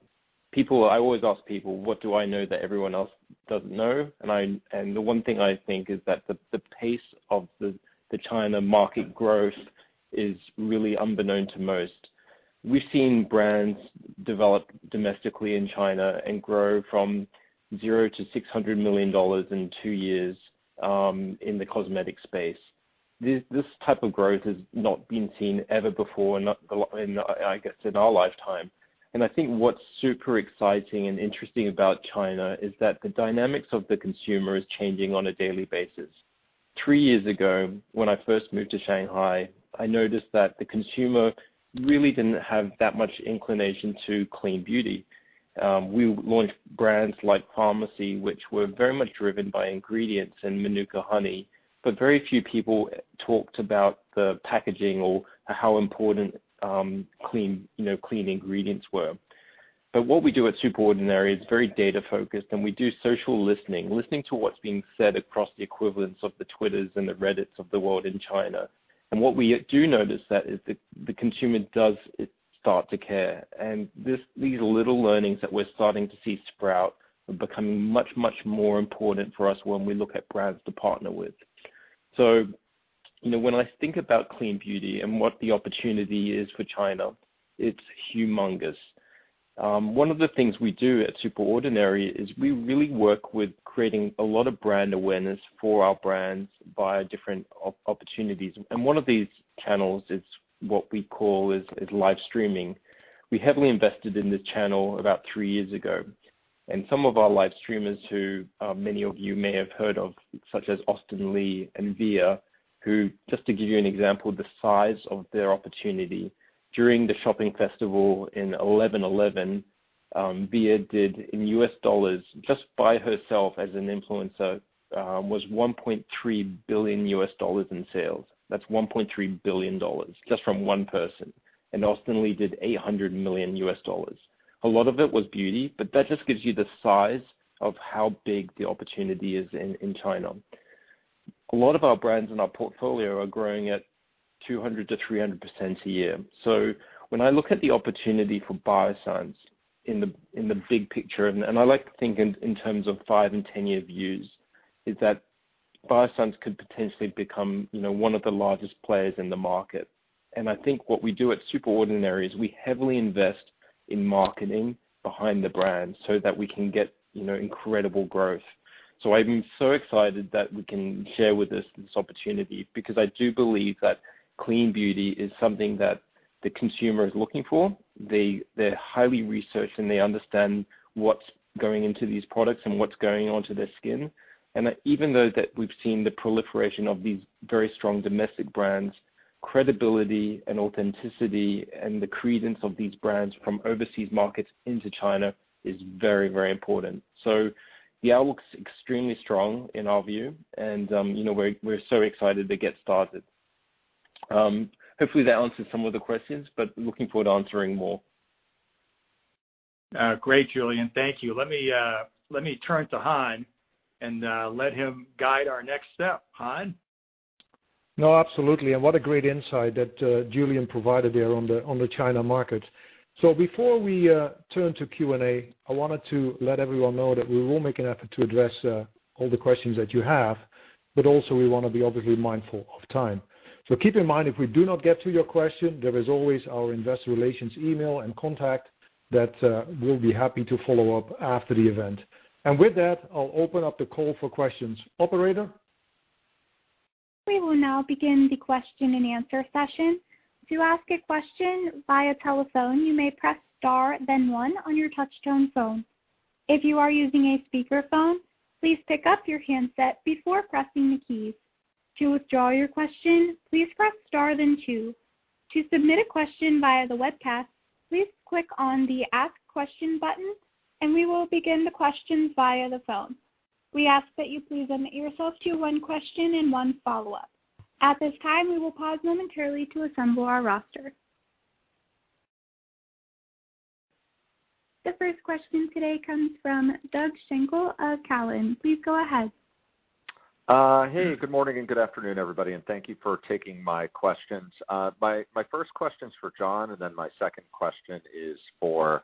Speaker 8: I always ask people, "What do I know that everyone else doesn't know?" And the one thing I think is that the pace of the China market growth is really unbeknown to most. We've seen brands develop domestically in China and grow from 0 to $600 million in two years in the cosmetic space. This type of growth has not been seen ever before, I guess, in our lifetime, and I think what's super exciting and interesting about China is that the dynamics of the consumer is changing on a daily basis. Three years ago, when I first moved to Shanghai, I noticed that the consumer really didn't have that much inclination to clean beauty. We launched brands like Farmacy, which were very much driven by ingredients and Manuka honey. But very few people talked about the packaging or how important clean ingredients were. But what we do at SuperOrdinary is very data-focused, and we do social listening, listening to what's being said across the equivalents of the Twitters and the Reddits of the world in China, and what we do notice is that the consumer does start to care. These little learnings that we're starting to see sprout are becoming much, much more important for us when we look at brands to partner with. When I think about clean beauty and what the opportunity is for China, it's humongous. One of the things we do at SuperOrdinary is we really work with creating a lot of brand awareness for our brands via different opportunities. One of these channels is what we call live streaming. We heavily invested in this channel about three years ago. Some of our live streamers who many of you may have heard of, such as Austin Li and Viya, who just to give you an example, the size of their opportunity during the shopping festival in 11/11, Viya did in US dollars, just by herself as an influencer, was $1.3 billion in sales. That's $1.3 billion just from one person. And Austin Li did $800 million. A lot of it was beauty, but that just gives you the size of how big the opportunity is in China. A lot of our brands in our portfolio are growing at 200%-300% a year. So when I look at the opportunity for Biossance in the big picture, and I like to think in terms of five- and 10-year views, is that Biossance could potentially become one of the largest players in the market. And I think what we do at SuperOrdinary is we heavily invest in marketing behind the brand so that we can get incredible growth. So I'm so excited that we can share with this opportunity because I do believe that clean beauty is something that the consumer is looking for. They're highly researched and they understand what's going into these products and what's going on to their skin. And even though we've seen the proliferation of these very strong domestic brands, credibility and authenticity and the credence of these brands from overseas markets into China is very, very important. So yeah, it looks extremely strong in our view, and we're so excited to get started. Hopefully, that answers some of the questions, but looking forward to answering more.
Speaker 3: Great, Julian. Thank you. Let me turn to Han and let him guide our next step. Han?
Speaker 2: No, absolutely. And what a great insight that Julian provided there on the China market. So before we turn to Q&A, I wanted to let everyone know that we will make an effort to address all the questions that you have, but also we want to be obviously mindful of time. So keep in mind, if we do not get to your question, there is always our investor relations email and contact that we'll be happy to follow up after the event. And with that, I'll open up the call for questions. Operator?
Speaker 1: We will now begin the question and answer session. To ask a question via telephone, you may press star, then one on your touch-tone phone. If you are using a speakerphone, please pick up your handset before pressing the keys. To withdraw your question, please press star, then two. To submit a question via the webcast, please click on the ask question button, and we will begin the questions via the phone. We ask that you please limit yourself to one question and one follow-up. At this time, we will pause momentarily to assemble our roster. The first question today comes from Doug Schenkel of Cowen. Please go ahead.
Speaker 9: Hey, good morning and good afternoon, everybody. And thank you for taking my questions. My first question is for John, and then my second question is for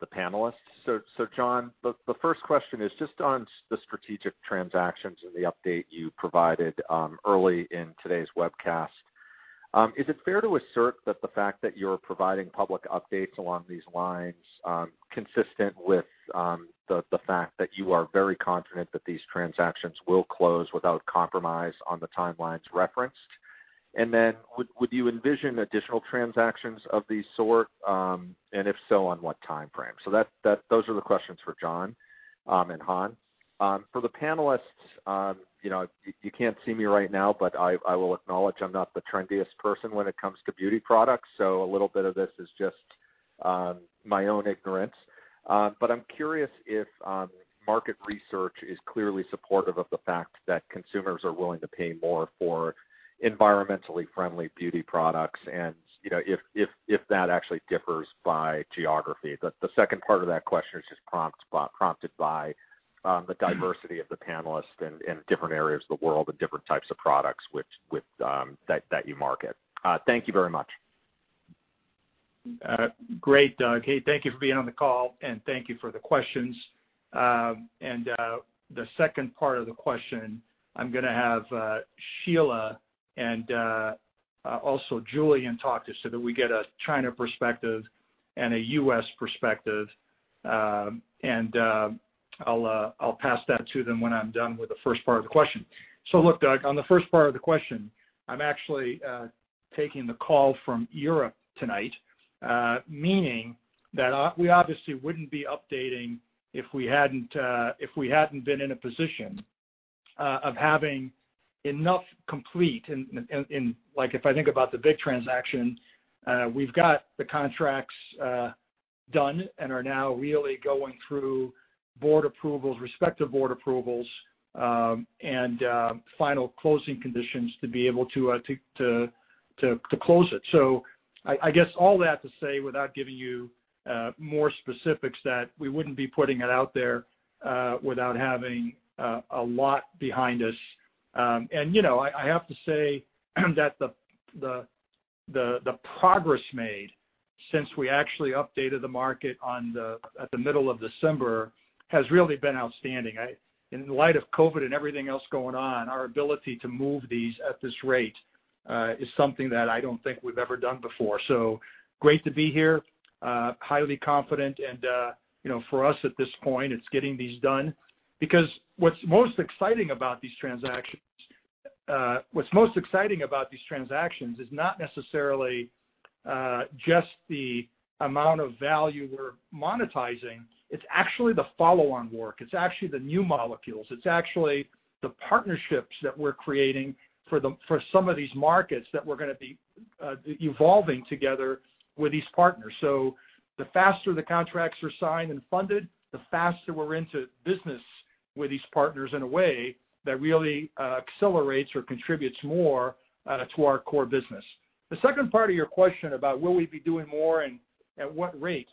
Speaker 9: the panelists. So John, the first question is just on the strategic transactions and the update you provided early in today's webcast. Is it fair to assert that the fact that you're providing public updates along these lines is consistent with the fact that you are very confident that these transactions will close without compromise on the timelines referenced? And then would you envision additional transactions of these sort? And if so, on what timeframe? So those are the questions for John and Han. For the panelists, you can't see me right now, but I will acknowledge I'm not the trendiest person when it comes to beauty products. So a little bit of this is just my own ignorance. But I'm curious if market research is clearly supportive of the fact that consumers are willing to pay more for environmentally friendly beauty products and if that actually differs by geography? The second part of that question is just prompted by the diversity of the panelists in different areas of the world and different types of products that you market. Thank you very much.
Speaker 3: Great, Doug. Hey, thank you for being on the call, and thank you for the questions. And the second part of the question, I'm going to have Sheila and also Julian talk to us so that we get a China perspective and a US perspective. And I'll pass that to them when I'm done with the first part of the question. So look, Doug, on the first part of the question, I'm actually taking the call from Europe tonight, meaning that we obviously wouldn't be updating if we hadn't been in a position of having enough completed. And if I think about the big transaction, we've got the contracts done and are now really going through board approvals, respective board approvals, and final closing conditions to be able to close it. So I guess all that to say without giving you more specifics that we wouldn't be putting it out there without having a lot behind us. And I have to say that the progress made since we actually updated the market at the middle of December has really been outstanding. In light of COVID and everything else going on, our ability to move these at this rate is something that I don't think we've ever done before. So great to be here, highly confident. And for us at this point, it's getting these done. Because what's most exciting about these transactions, what's most exciting about these transactions is not necessarily just the amount of value we're monetizing. It's actually the follow-on work. It's actually the new molecules. It's actually the partnerships that we're creating for some of these markets that we're going to be evolving together with these partners. So the faster the contracts are signed and funded, the faster we're into business with these partners in a way that really accelerates or contributes more to our core business. The second part of your question about will we be doing more and at what rate?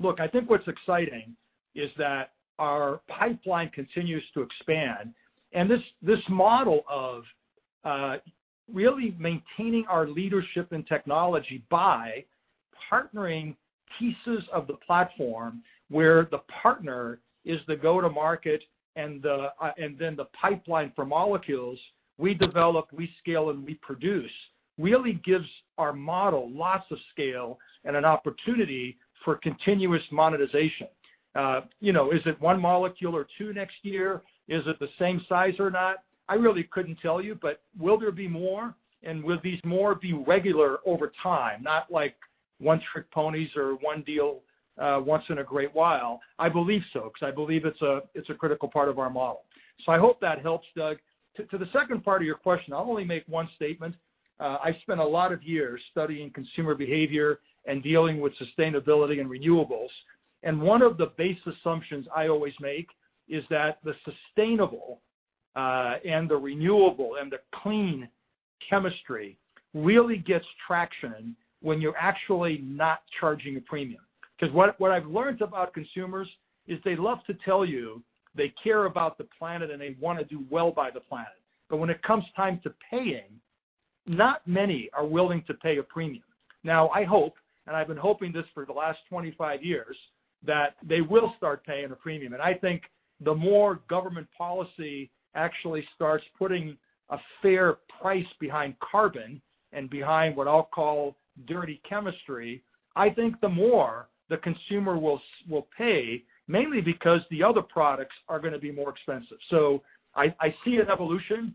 Speaker 3: Look, I think what's exciting is that our pipeline continues to expand. And this model of really maintaining our leadership and technology by partnering pieces of the platform where the partner is the go-to-market and then the pipeline for molecules we develop, we scale, and we produce really gives our model lots of scale and an opportunity for continuous monetization. Is it one molecule or two next year? Is it the same size or not? I really couldn't tell you, but will there be more? And will these more be regular over time, not like one-trick ponies or one deal once in a great while? I believe so because I believe it's a critical part of our model. So I hope that helps, Doug. To the second part of your question, I'll only make one statement. I spent a lot of years studying consumer behavior and dealing with sustainability and renewables. And one of the base assumptions I always make is that the sustainable and the renewable and the clean chemistry really gets traction when you're actually not charging a premium. Because what I've learned about consumers is they love to tell you they care about the planet and they want to do well by the planet. But when it comes time to paying, not many are willing to pay a premium. Now, I hope, and I've been hoping this for the last 25 years, that they will start paying a premium. And I think the more government policy actually starts putting a fair price behind carbon and behind what I'll call dirty chemistry, I think the more the consumer will pay, mainly because the other products are going to be more expensive. So I see an evolution.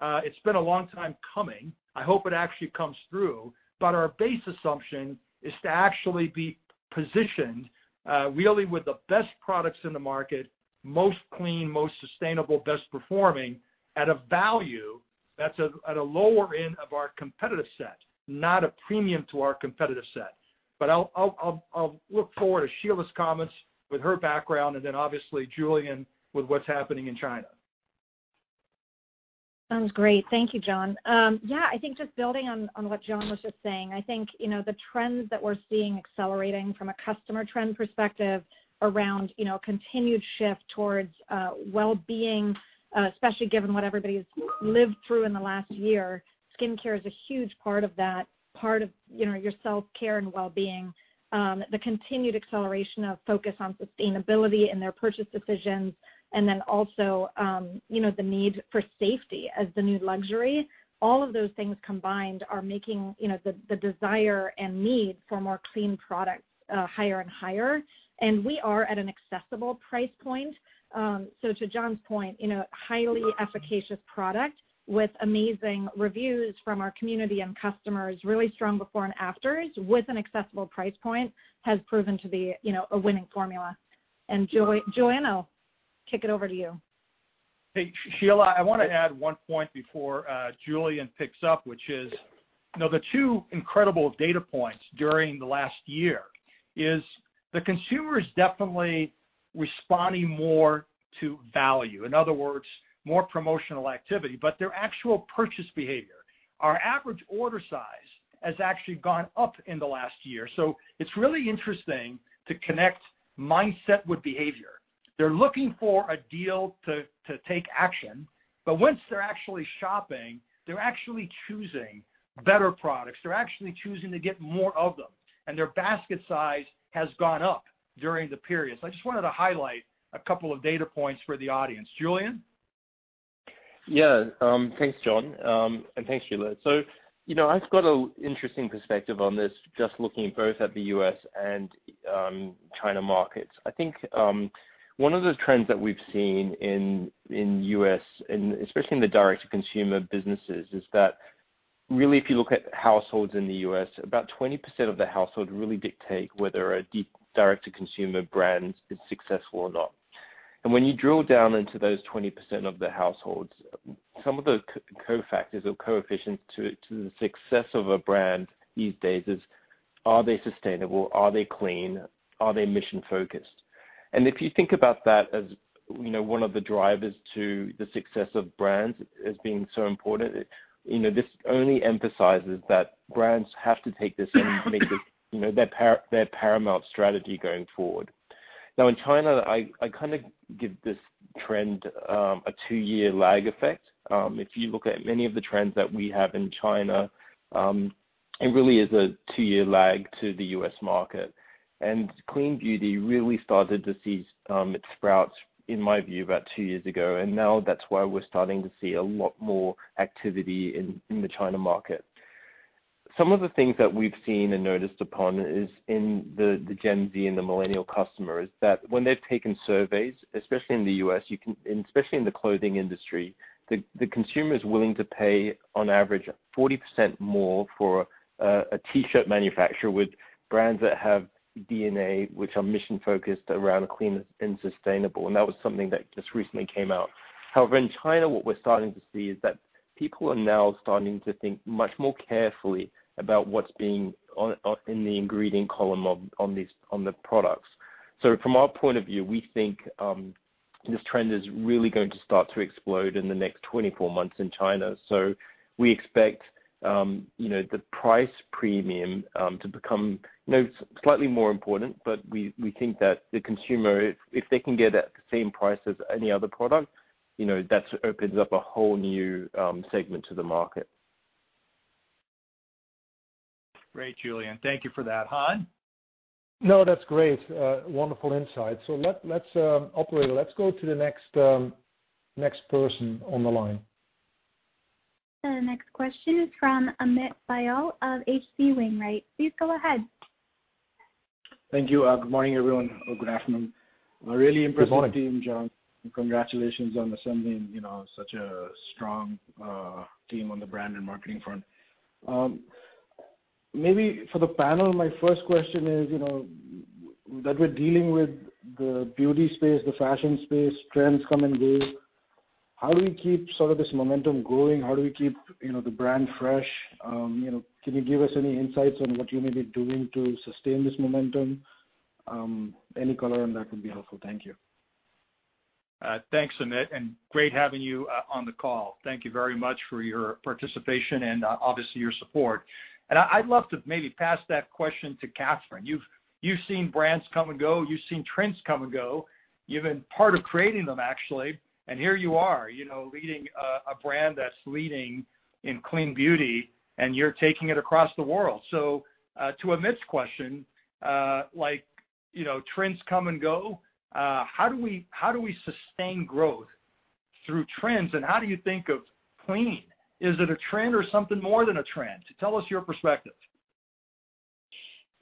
Speaker 3: It's been a long time coming. I hope it actually comes through. But our base assumption is to actually be positioned really with the best products in the market, most clean, most sustainable, best performing at a value that's at a lower end of our competitive set, not a premium to our competitive set. But I'll look forward to Sheila's comments with her background and then obviously Julian with what's happening in China.
Speaker 5: Sounds great. Thank you, John. Yeah, I think just building on what John was just saying, I think the trends that we're seeing accelerating from a customer trend perspective around continued shift towards well-being, especially given what everybody has lived through in the last year. Skincare is a huge part of that, part of your self-care and well-being. The continued acceleration of focus on sustainability in their purchase decisions, and then also the need for safety as the new luxury. All of those things combined are making the desire and need for more clean products higher and higher. And we are at an accessible price point. So to John's point, highly efficacious product with amazing reviews from our community and customers, really strong before and afters with an accessible price point has proven to be a winning formula. And Julian, kick it over to you.
Speaker 3: Hey, Sheila, I want to add one point before Julian picks up, which is the two incredible data points during the last year is the consumer is definitely responding more to value. In other words, more promotional activity, but their actual purchase behavior. Our average order size has actually gone up in the last year. So it's really interesting to connect mindset with behavior. They're looking for a deal to take action, but once they're actually shopping, they're actually choosing better products. They're actually choosing to get more of them. And their basket size has gone up during the period. So I just wanted to highlight a couple of data points for the audience. Julian?
Speaker 8: Yeah. Thanks, John. And thanks, Sheila. So I've got an interesting perspective on this, just looking both at the US and China markets. I think one of the trends that we've seen in the US, and especially in the direct-to-consumer businesses, is that really if you look at households in the US, about 20% of the households really dictate whether a direct-to-consumer brand is successful or not. And when you drill down into those 20% of the households, some of the cofactors or coefficients to the success of a brand these days is, are they sustainable? Are they clean? Are they mission-focused? And if you think about that as one of the drivers to the success of brands as being so important, this only emphasizes that brands have to take this and make this their paramount strategy going forward. Now, in China, I kind of give this trend a two-year lag effect. If you look at many of the trends that we have in China, it really is a two-year lag to the U.S. market. And clean beauty really started to see its sprouts, in my view, about two years ago. And now that's why we're starting to see a lot more activity in the China market. Some of the things that we've seen and noticed upon is in the Gen Z and the millennial customers that when they've taken surveys, especially in the U.S., and especially in the clothing industry, the consumer is willing to pay on average 40% more for a T-shirt manufacturer with brands that have DNA, which are mission-focused around clean and sustainable. And that was something that just recently came out. However, in China, what we're starting to see is that people are now starting to think much more carefully about what's being in the ingredient column on the products. So from our point of view, we think this trend is really going to start to explode in the next 24 months in China. So we expect the price premium to become slightly more important, but we think that the consumer, if they can get at the same price as any other product, that opens up a whole new segment to the market.
Speaker 3: Great, Julian. Thank you for that. Han? No, that's great. Wonderful insight. So let's go to the next person on the line.
Speaker 1: The next question is from Amit Dayal of H.C. Wainwright. Please go ahead.
Speaker 10: Thank you. Good morning, everyone, or good afternoon. A really impressive team, John. Congratulations on assembling such a strong team on the brand and marketing front. Maybe for the panel, my first question is that we're dealing with the beauty space, the fashion space, trends come and go. How do we keep sort of this momentum going? How do we keep the brand fresh? Can you give us any insights on what you may be doing to sustain this momentum? Any color on that would be helpful. Thank you.
Speaker 3: Thanks, Amit, and great having you on the call. Thank you very much for your participation and obviously your support, and I'd love to maybe pass that question to Catherine. You've seen brands come and go. You've seen trends come and go. You've been part of creating them, actually. And here you are, leading a brand that's leading in clean beauty, and you're taking it across the world. So to Amit's question, trends come and go. How do we sustain growth through trends? And how do you think of clean? Is it a trend or something more than a trend? Tell us your perspective.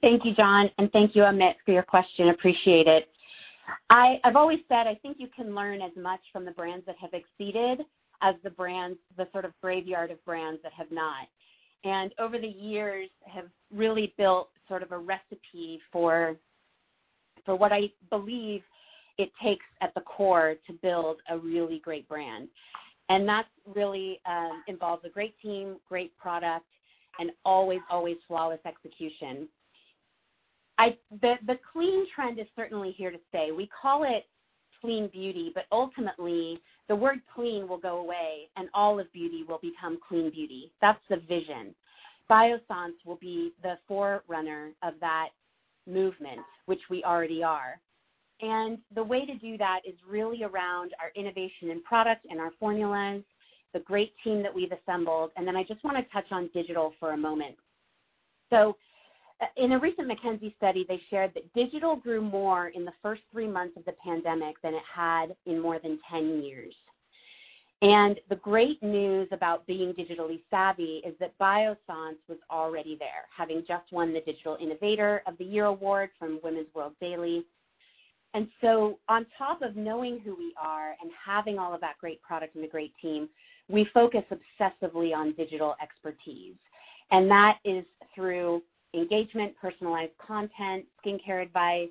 Speaker 4: Thank you, John, and thank you, Amit, for your question. Appreciate it. I've always said I think you can learn as much from the brands that have exceeded as the sort of graveyard of brands that have not, and over the years, have really built sort of a recipe for what I believe it takes at the core to build a really great brand, and that really involves a great team, great product, and always, always flawless execution. The clean trend is certainly here to stay. We call it clean beauty, but ultimately, the word clean will go away, and all of beauty will become clean beauty. That's the vision. Biossance will be the forerunner of that movement, which we already are, and the way to do that is really around our innovation in product and our formulas, the great team that we've assembled. And then I just want to touch on digital for a moment. So in a recent McKinsey study, they shared that digital grew more in the first three months of the pandemic than it had in more than 10 years. And the great news about being digitally savvy is that Biossance was already there, having just won the Digital Innovator of the Year award from Women's Wear Daily. And so on top of knowing who we are and having all of that great product and the great team, we focus obsessively on digital expertise. And that is through engagement, personalized content, skincare advice.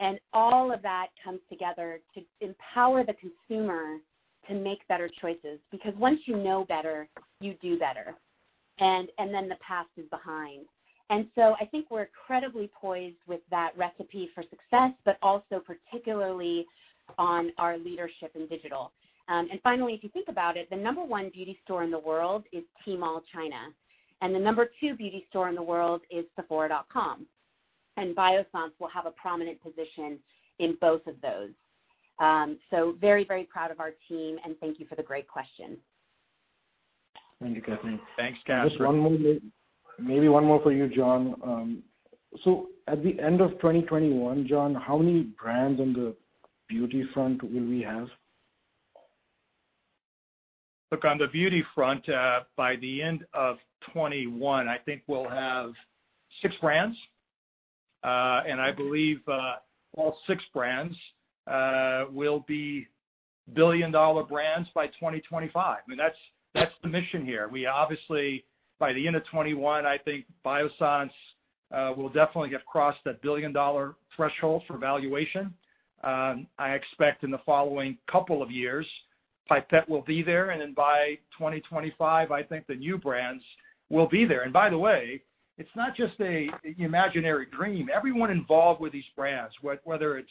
Speaker 4: And all of that comes together to empower the consumer to make better choices. Because once you know better, you do better. And then the past is behind. And so I think we're incredibly poised with that recipe for success, but also particularly on our leadership in digital. And finally, if you think about it, the number one beauty store in the world is Tmall China. And the number two beauty store in the world is Sephora.com. And Biossance will have a prominent position in both of those. So very, very proud of our team, and thank you for the great question.
Speaker 10: Thank you, Catherine.
Speaker 3: Thanks, Catherine.
Speaker 10: Just one more. Maybe one more for you, John. So at the end of 2021, John, how many brands on the beauty front will we have?
Speaker 3: Look, on the beauty front, by the end of 2021, I think we'll have six brands, and I believe all six brands will be billion-dollar brands by 2025. I mean, that's the mission here. We obviously, by the end of 2021, I think Biossance will definitely have crossed that billion-dollar threshold for valuation. I expect in the following couple of years, Pipette will be there, and then by 2025, I think the new brands will be there. And by the way, it's not just an imaginary dream. Everyone involved with these brands, whether it's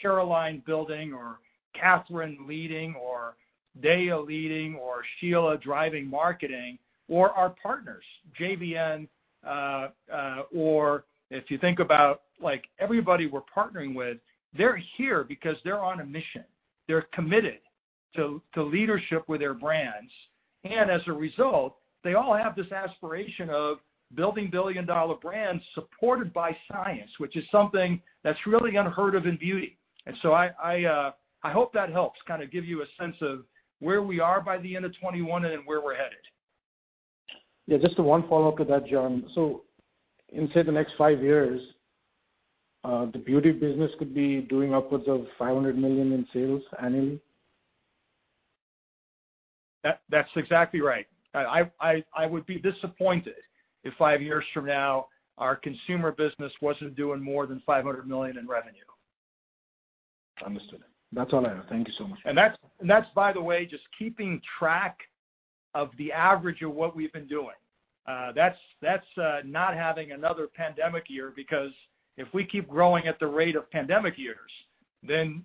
Speaker 3: Caroline building or Catherine leading or Daya leading or Sheila driving marketing or our partners, JVN, or if you think about everybody we're partnering with, they're here because they're on a mission. They're committed to leadership with their brands. As a result, they all have this aspiration of building billion-dollar brands supported by science, which is something that's really unheard of in beauty. I hope that helps kind of give you a sense of where we are by the end of 2021 and where we're headed.
Speaker 10: Yeah, just one follow-up to that, John. So in, say, the next five years, the beauty business could be doing upwards of $500 million in sales annually?
Speaker 3: That's exactly right. I would be disappointed if five years from now our consumer business wasn't doing more than $500 million in revenue.
Speaker 10: Understood. That's all I have. Thank you so much.
Speaker 3: That's, by the way, just keeping track of the average of what we've been doing. That's not having another pandemic year because if we keep growing at the rate of pandemic years, then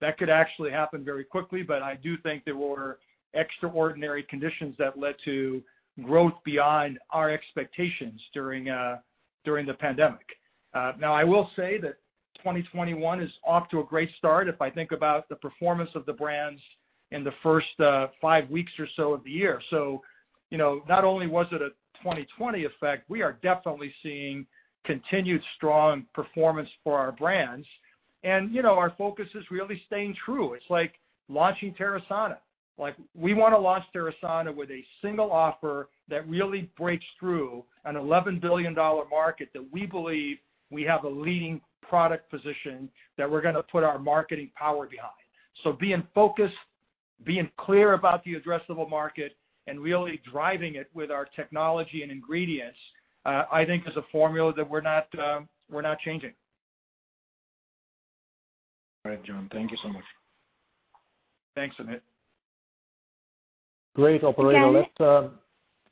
Speaker 3: that could actually happen very quickly. I do think there were extraordinary conditions that led to growth beyond our expectations during the pandemic. Now, I will say that 2021 is off to a great start if I think about the performance of the brands in the first five weeks or so of the year. Not only was it a 2020 effect, we are definitely seeing continued strong performance for our brands. Our focus is really staying true. It's like launching Terasana. We want to launch Terasana with a single offer that really breaks through an $11 billion market that we believe we have a leading product position that we're going to put our marketing power behind. So being focused, being clear about the addressable market, and really driving it with our technology and ingredients, I think is a formula that we're not changing.
Speaker 10: All right, John. Thank you so much.
Speaker 3: Thanks, Amit. Great. Operator,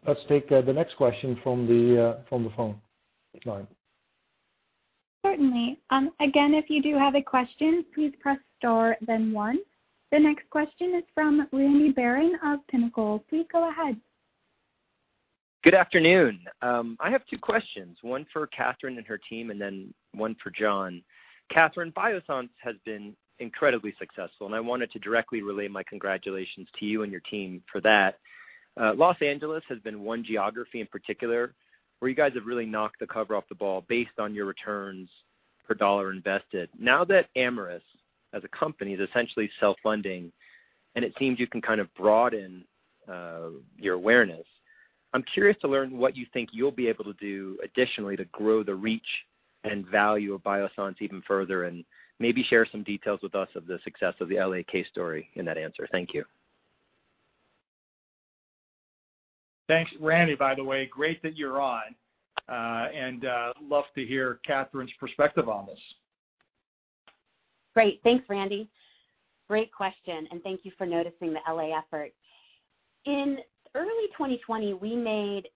Speaker 3: let's take the next question from the phone line.
Speaker 1: Certainly. Again, if you do have a question, please press star, then one. The next question is from Randy Baron of Pinnacle. Please go ahead.
Speaker 11: Good afternoon. I have two questions. One for Catherine and her team, and then one for John. Catherine, Biossance has been incredibly successful. I wanted to directly relay my congratulations to you and your team for that. Los Angeles has been one geography in particular where you guys have really knocked the cover off the ball based on your returns per dollar invested. Now that Amyris, as a company, is essentially self-funding, and it seems you can kind of broaden your awareness, I'm curious to learn what you think you'll be able to do additionally to grow the reach and value of Biossance even further and maybe share some details with us of the success of the LA case story in that answer. Thank you.
Speaker 3: Thanks. Randy, by the way, great that you're on and love to hear Catherine's perspective on this.
Speaker 4: Great. Thanks, Randy. Great question and thank you for noticing the LA effort. In early 2020, we made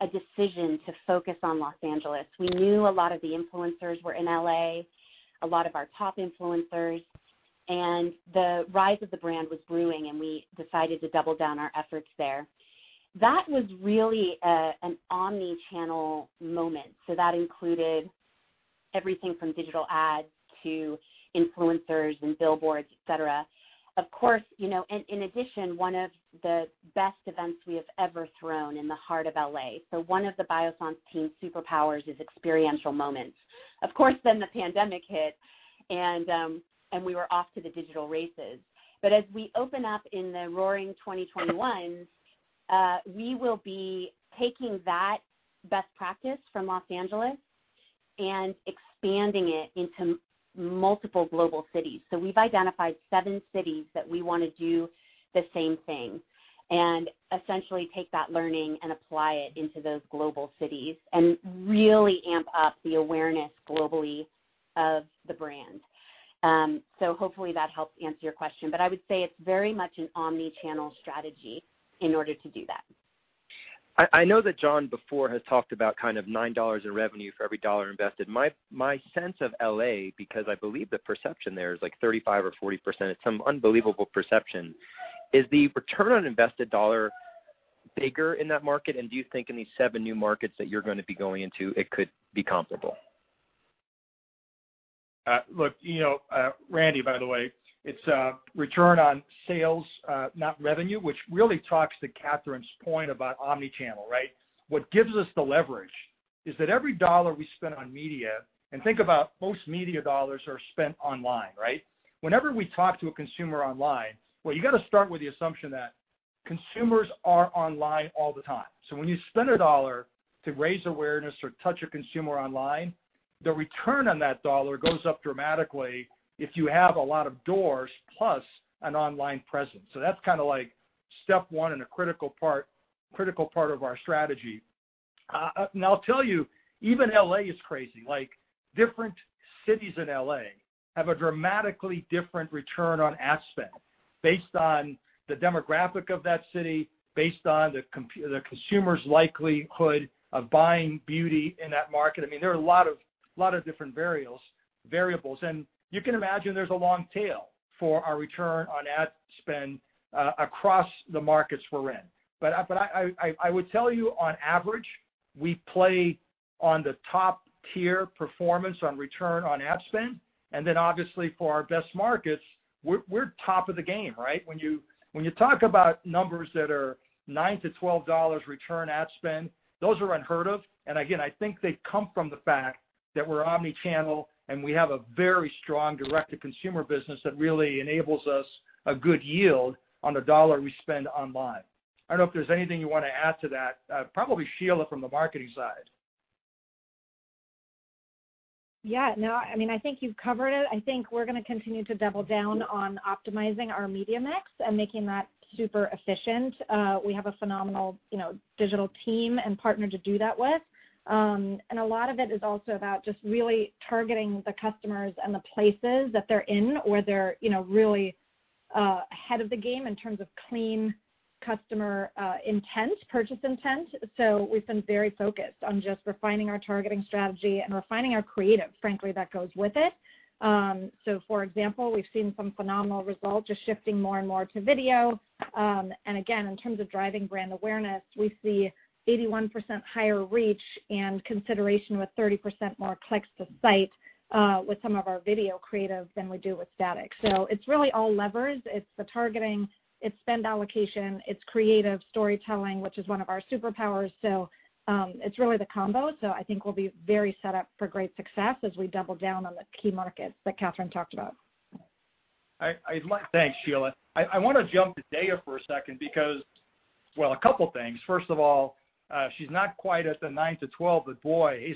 Speaker 4: a decision to focus on Los Angeles. We knew a lot of the influencers were in LA, a lot of our top influencers, and the rise of the brand was brewing, and we decided to double down our efforts there. That was really an omnichannel moment, so that included everything from digital ads to influencers and billboards, etc. Of course, in addition, one of the best events we have ever thrown in the heart of LA, so one of the Biossance team superpowers is experiential moments. Of course, then the pandemic hit, and we were off to the digital races, but as we open up in the roaring 2021s, we will be taking that best practice from Los Angeles and expanding it into multiple global cities. So we've identified seven cities that we want to do the same thing and essentially take that learning and apply it into those global cities and really amp up the awareness globally of the brand. So hopefully that helps answer your question. But I would say it's very much an omnichannel strategy in order to do that.
Speaker 11: I know that John before has talked about kind of $9 in revenue for every $1 invested. My sense of LA, because I believe the penetration there is like 35% or 40%, it's some unbelievable penetration, is the return on invested dollar bigger in that market? And do you think in these seven new markets that you're going to be going into, it could be comparable?
Speaker 3: Look, Randy, by the way, it's return on sales, not revenue, which really talks to Catherine's point about omnichannel, right? What gives us the leverage is that every dollar we spend on media, and think about most media dollars are spent online, right? Whenever we talk to a consumer online, well, you got to start with the assumption that consumers are online all the time. So when you spend a dollar to raise awareness or touch a consumer online, the return on that dollar goes up dramatically if you have a lot of doors plus an online presence. So that's kind of like step one and a critical part of our strategy. And I'll tell you, even LA is crazy. Different cities in LA have a dramatically different return on ad spend based on the demographic of that city, based on the consumer's likelihood of buying beauty in that market. I mean, there are a lot of different variables. You can imagine there's a long tail for our return on ad spend across the markets we're in. But I would tell you, on average, we play on the top-tier performance on return on ad spend. Then obviously, for our best markets, we're top of the game, right? When you talk about numbers that are $9-$12 return on ad spend, those are unheard of. And again, I think they come from the fact that we're omnichannel and we have a very strong direct-to-consumer business that really enables us a good yield on the dollar we spend online. I don't know if there's anything you want to add to that. Probably Sheila from the marketing side.
Speaker 5: Yeah. No, I mean, I think you've covered it. I think we're going to continue to double down on optimizing our media mix and making that super efficient. We have a phenomenal digital team and partner to do that with. And a lot of it is also about just really targeting the customers and the places that they're in where they're really ahead of the game in terms of clean customer intent, purchase intent. So we've been very focused on just refining our targeting strategy and refining our creative, frankly, that goes with it. So for example, we've seen some phenomenal results just shifting more and more to video. And again, in terms of driving brand awareness, we see 81% higher reach and consideration with 30% more clicks to site with some of our video creative than we do with static. So it's really all levers. It's the targeting, it's spend allocation, it's creative storytelling, which is one of our superpowers. So it's really the combo. So I think we'll be very set up for great success as we double down on the key markets that Catherine talked about.
Speaker 3: Thanks, Sheila. I want to jump to Daya for a second because, well, a couple of things. First of all, she's not quite at the 9 to 12, but boy,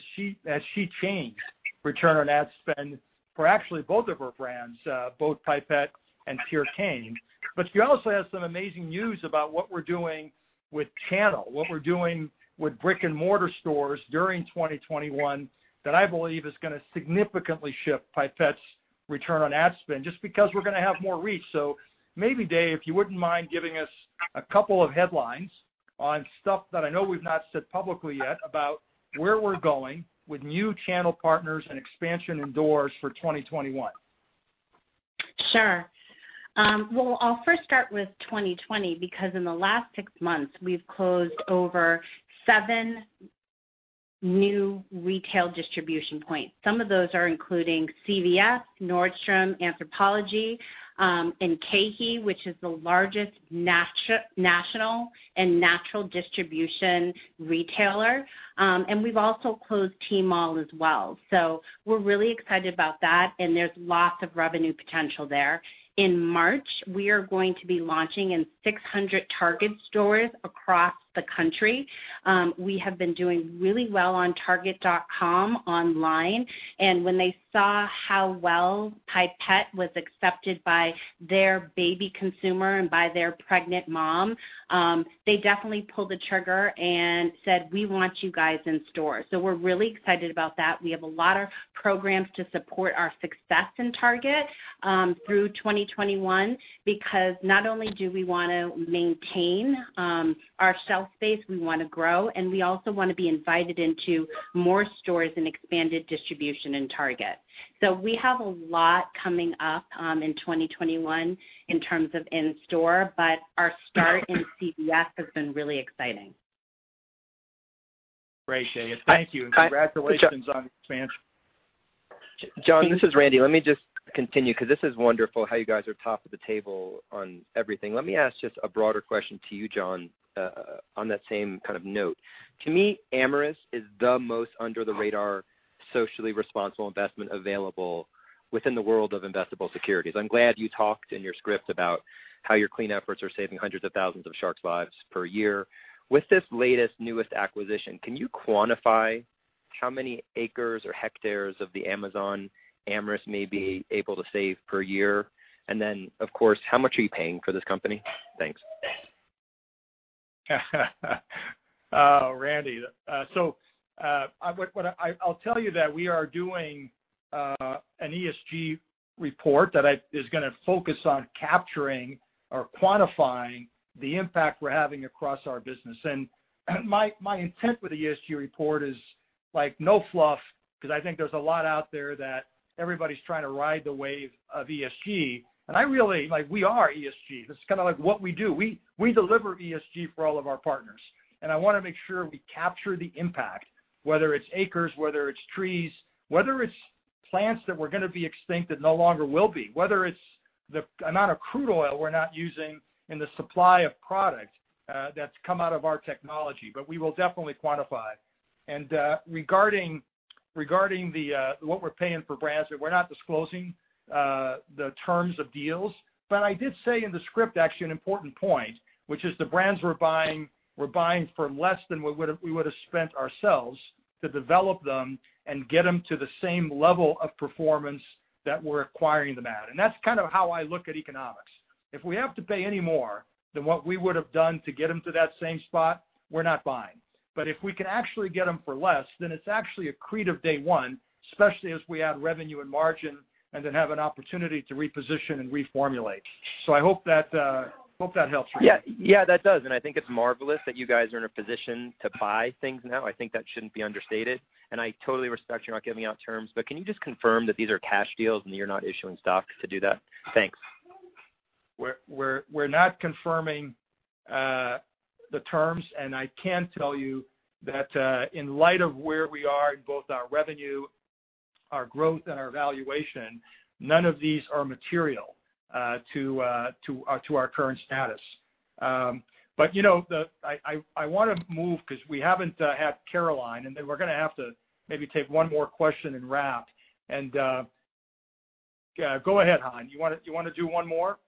Speaker 3: has she changed return on ad spend for actually both of her brands, both Pipette and Purecane. But she also has some amazing news about what we're doing with channel, what we're doing with brick-and-mortar stores during 2021 that I believe is going to significantly shift Pipette's return on ad spend just because we're going to have more reach. So maybe, Daya, if you wouldn't mind giving us a couple of headlines on stuff that I know we've not said publicly yet about where we're going with new channel partners and expansion in-store for 2021.
Speaker 6: Sure. Well, I'll first start with 2020 because in the last six months, we've closed over seven new retail distribution points. Some of those are including CVS, Nordstrom, Anthropologie, and KeHE, which is the largest national and natural distribution retailer. And we've also closed Tmall as well. So we're really excited about that. And there's lots of revenue potential there. In March, we are going to be launching in 600 Target stores across the country. We have been doing really well on Target.com online. And when they saw how well Pipette was accepted by their baby consumer and by their pregnant mom, they definitely pulled the trigger and said, "We want you guys in stores." So we're really excited about that. We have a lot of programs to support our success in Target through 2021 because not only do we want to maintain our shelf space, we want to grow. And we also want to be invited into more stores and expanded distribution in Target. So we have a lot coming up in 2021 in terms of in-store, but our start in CVS has been really exciting.
Speaker 3: Great, Sheila. Thank you. And congratulations on the expansion.
Speaker 11: John, this is Randy. Let me just continue because this is wonderful how you guys are top of the table on everything. Let me ask just a broader question to you, John, on that same kind of note. To me, Amyris is the most under-the-radar socially responsible investment available within the world of investable securities. I'm glad you talked in your script about how your clean efforts are saving hundreds of thousands of sharks' lives per year. With this latest, newest acquisition, can you quantify how many acres or hectares of the Amazon Amyris may be able to save per year? And then, of course, how much are you paying for this company? Thanks.
Speaker 3: Randy, so I'll tell you that we are doing an ESG report that is going to focus on capturing or quantifying the impact we're having across our business. And my intent with the ESG report is no fluff because I think there's a lot out there that everybody's trying to ride the wave of ESG. And we are ESG. That's kind of like what we do. We deliver ESG for all of our partners. And I want to make sure we capture the impact, whether it's acres, whether it's trees, whether it's plants that were going to be extinct that no longer will be, whether it's the amount of crude oil we're not using in the supply of product that's come out of our technology. But we will definitely quantify. And regarding what we're paying for brands, we're not disclosing the terms of deals. But I did say in the script, actually, an important point, which is the brands we're buying for less than we would have spent ourselves to develop them and get them to the same level of performance that we're acquiring them at. And that's kind of how I look at economics. If we have to pay any more than what we would have done to get them to that same spot, we're not buying. But if we can actually get them for less, then it's actually a credit from day one, especially as we add revenue and margin and then have an opportunity to reposition and reformulate. So I hope that helps you.
Speaker 11: Yeah, that does. And I think it's marvelous that you guys are in a position to buy things now. I think that shouldn't be understated. And I totally respect you're not giving out terms. But can you just confirm that these are cash deals and that you're not issuing stock to do that? Thanks.
Speaker 3: We're not confirming the terms. And I can tell you that in light of where we are in both our revenue, our growth, and our valuation, none of these are material to our current status. But I want to move because we haven't had Caroline. And then we're going to have to maybe take one more question and wrap. And go ahead, Han. You want to do one more?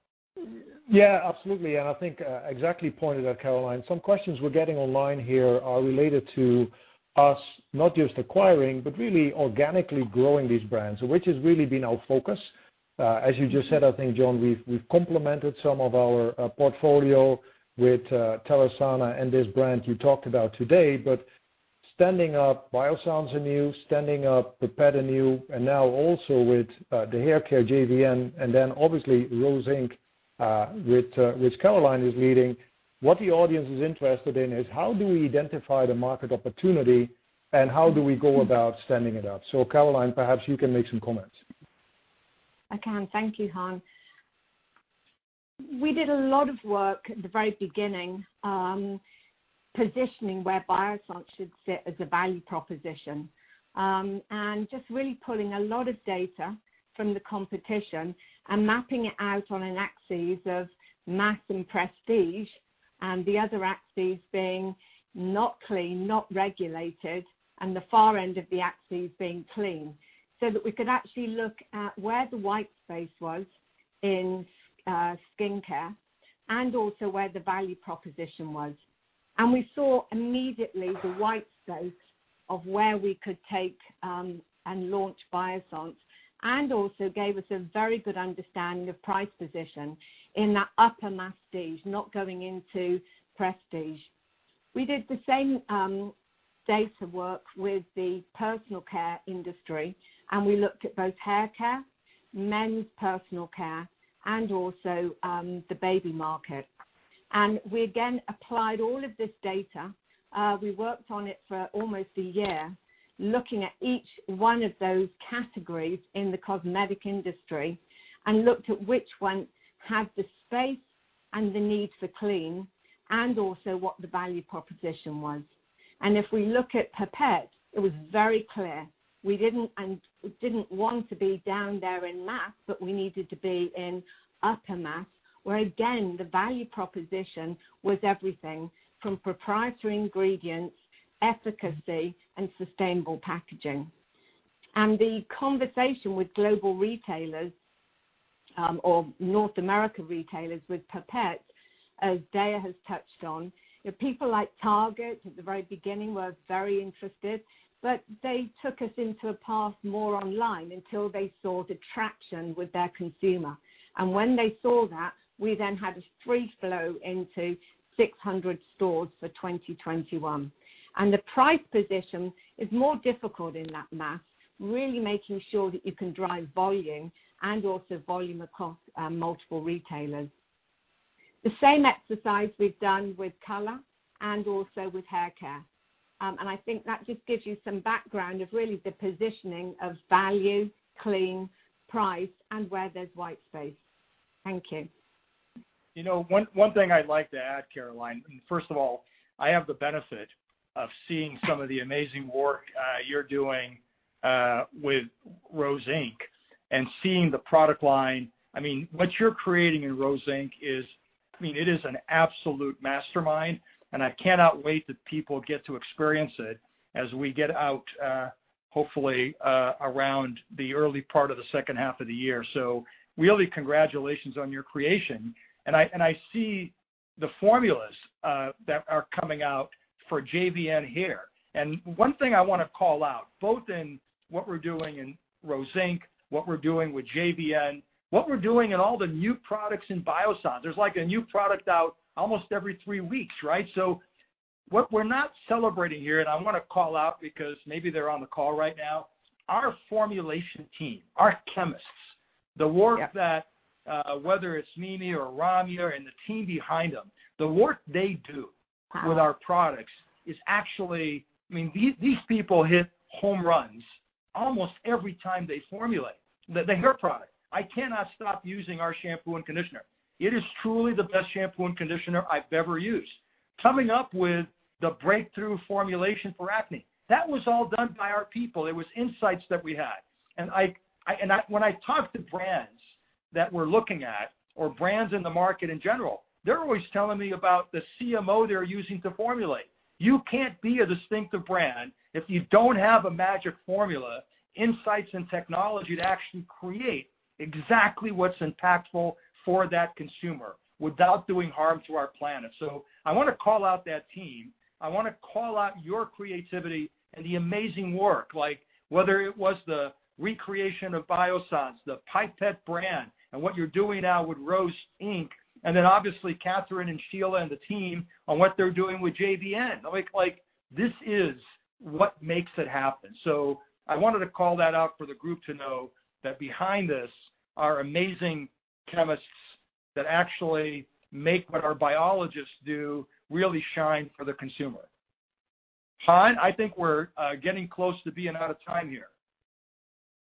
Speaker 2: Yeah, absolutely. And I think exactly pointed out, Caroline. Some questions we're getting online here are related to us not just acquiring, but really organically growing these brands, which has really been our focus. As you just said, I think, John, we've complemented some of our portfolio with Terasana and this brand you talked about today. But standing up Biossance and you, standing up Pipette and you, and now also with the haircare JVN, and then obviously Rose Inc., which Caroline is leading. What the audience is interested in is how do we identify the market opportunity and how do we go about standing it up? So Caroline, perhaps you can make some comments.
Speaker 7: I can. Thank you, Han. We did a lot of work at the very beginning positioning where Biossance should sit as a value proposition and just really pulling a lot of data from the competition and mapping it out on an axis of mass and prestige, and the other axes being not clean, not regulated, and the far end of the axes being clean, so that we could actually look at where the white space was in skincare and also where the value proposition was. We saw immediately the white space of where we could take and launch Biossance and also gave us a very good understanding of price position in that upper mass stage, not going into prestige. We did the same data work with the personal care industry, and we looked at both haircare, men's personal care, and also the baby market. We again applied all of this data. We worked on it for almost a year, looking at each one of those categories in the cosmetic industry and looked at which one had the space and the need for clean and also what the value proposition was. If we look at Pipette, it was very clear. We didn't want to be down there in mass, but we needed to be in upper mass, where again, the value proposition was everything from proprietary ingredients, efficacy, and sustainable packaging. The conversation with global retailers or North America retailers with Pipette, as Daya has touched on, people like Target at the very beginning were very interested, but they took us into a path more online until they saw the traction with their consumer. When they saw that, we then had a free flow into 600 stores for 2021. And the price position is more difficult in that mass, really making sure that you can drive volume and also volume across multiple retailers. The same exercise we've done with color and also with haircare. And I think that just gives you some background of really the positioning of value, clean, price, and where there's white space. Thank you.
Speaker 3: One thing I'd like to add, Caroline. First of all, I have the benefit of seeing some of the amazing work you're doing with Rose Inc. and seeing the product line. I mean, what you're creating in Rose Inc. is, I mean, it is an absolute mastermind, and I cannot wait that people get to experience it as we get out, hopefully, around the early part of the second half of the year. So really, congratulations on your creation. And I see the formulas that are coming out for JVN Hair. And one thing I want to call out, both in what we're doing in Rose Inc., what we're doing with JVN, what we're doing in all the new products in Biossance. There's like a new product out almost every three weeks, right? So what we're not celebrating here, and I want to call out because maybe they're on the call right now, our formulation team, our chemists, the work that whether it's Mimi or Ramya and the team behind them, the work they do with our products is actually, I mean, these people hit home runs almost every time they formulate the hair product. I cannot stop using our shampoo and conditioner. It is truly the best shampoo and conditioner I've ever used. Coming up with the breakthrough formulation for acne, that was all done by our people. It was insights that we had. And when I talk to brands that we're looking at or brands in the market in general, they're always telling me about the CMO they're using to formulate. You can't be a distinctive brand if you don't have a magic formula, insights, and technology to actually create exactly what's impactful for that consumer without doing harm to our planet. So I want to call out that team. I want to call out your creativity and the amazing work, like whether it was the recreation of Biossance, the Pipette brand, and what you're doing now with Rose Inc., and then obviously Catherine and Sheila and the team on what they're doing with JVN. This is what makes it happen. So I wanted to call that out for the group to know that behind this are amazing chemists that actually make what our biologists do really shine for the consumer. Han, I think we're getting close to being out of time here.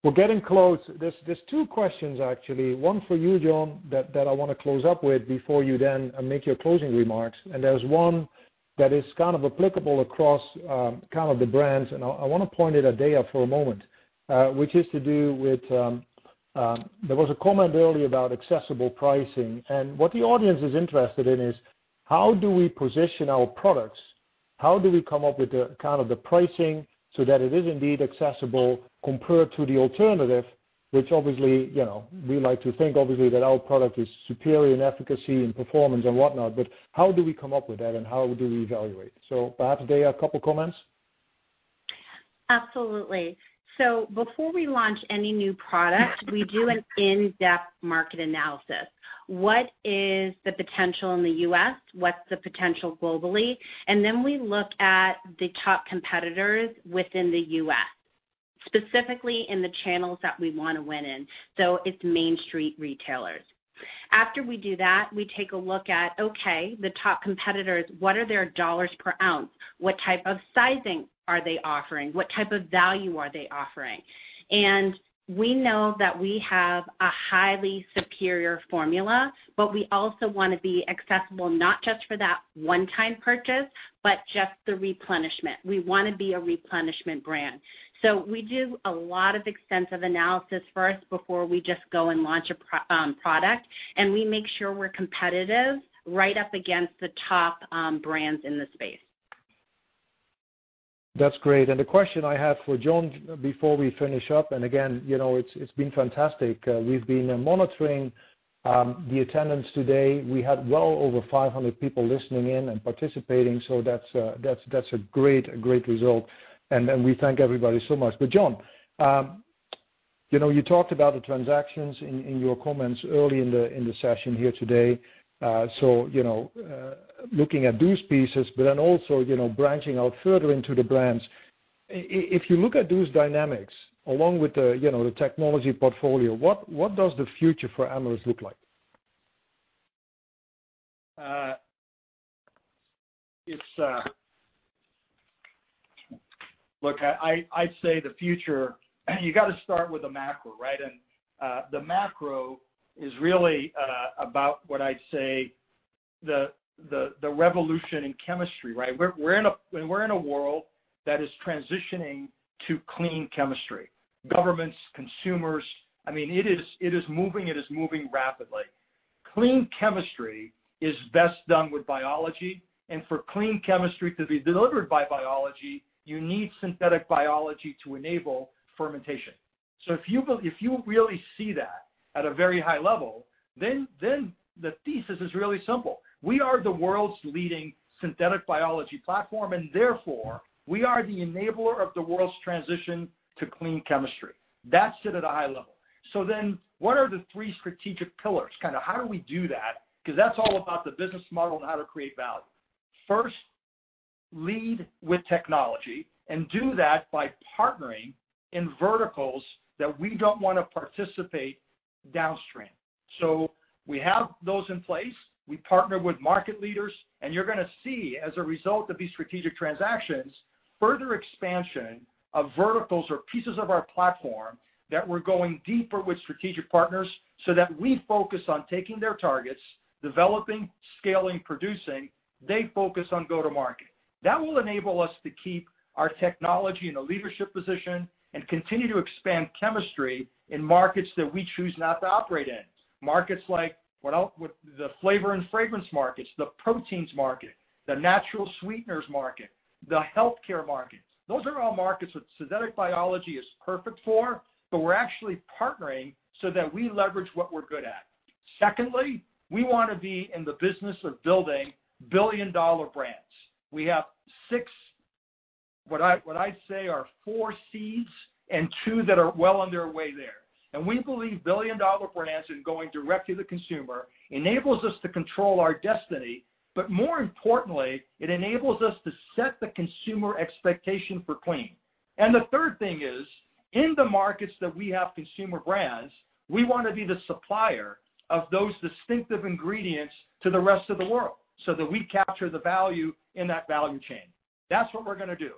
Speaker 2: We're getting close. There's two questions, actually. One for you, John, that I want to close up with before you then make your closing remarks. And there's one that is kind of applicable across kind of the brands. And I want to point it at Daya for a moment, which has to do with there was a comment earlier about accessible pricing. And what the audience is interested in is how do we position our products? How do we come up with kind of the pricing so that it is indeed accessible compared to the alternative, which obviously we like to think that our product is superior in efficacy and performance and whatnot, but how do we come up with that and how do we evaluate? So perhaps Daya, a couple of comments?
Speaker 6: Absolutely, so before we launch any new product, we do an in-depth market analysis. What is the potential in the U.S.? What's the potential globally, and then we look at the top competitors within the U.S., specifically in the channels that we want to win in, so it's Main Street retailers. After we do that, we take a look at, okay, the top competitors, what are their dollars per ounce? What type of sizing are they offering? What type of value are they offering, and we know that we have a highly superior formula, but we also want to be accessible not just for that one-time purchase, but just the replenishment. We want to be a replenishment brand, so we do a lot of extensive analysis first before we just go and launch a product, and we make sure we're competitive right up against the top brands in the space.
Speaker 2: That's great, and the question I have for John before we finish up, and again, it's been fantastic. We've been monitoring the attendance today. We had well over 500 people listening in and participating, so that's a great result, and we thank everybody so much, but John, you talked about the transactions in your comments early in the session here today, so looking at those pieces, but then also branching out further into the brands. If you look at those dynamics along with the technology portfolio, what does the future for Amyris look like?
Speaker 3: Look, I'd say the future, you got to start with the macro, right? And the macro is really about what I'd say the revolution in chemistry, right? We're in a world that is transitioning to clean chemistry. Governments, consumers, I mean, it is moving. It is moving rapidly. Clean chemistry is best done with biology. And for clean chemistry to be delivered by biology, you need synthetic biology to enable fermentation. So if you really see that at a very high level, then the thesis is really simple. We are the world's leading synthetic biology platform, and therefore we are the enabler of the world's transition to clean chemistry. That's it at a high level. So then what are the three strategic pillars? Kind of how do we do that? Because that's all about the business model and how to create value. First, lead with technology and do that by partnering in verticals that we don't want to participate downstream. So we have those in place. We partner with market leaders, and you're going to see as a result of these strategic transactions, further expansion of verticals or pieces of our platform that we're going deeper with strategic partners so that we focus on taking their targets, developing, scaling, producing. They focus on go-to-market. That will enable us to keep our technology in a leadership position and continue to expand chemistry in markets that we choose not to operate in. Markets like the flavor and fragrance markets, the proteins market, the natural sweeteners market, the healthcare markets. Those are all markets that synthetic biology is perfect for, but we're actually partnering so that we leverage what we're good at. Secondly, we want to be in the business of building billion-dollar brands. We have six, what I'd say are four seeds and two that are well on their way there. And we believe billion-dollar brands and going direct to the consumer enables us to control our destiny, but more importantly, it enables us to set the consumer expectation for clean. And the third thing is in the markets that we have consumer brands, we want to be the supplier of those distinctive ingredients to the rest of the world so that we capture the value in that value chain. That's what we're going to do.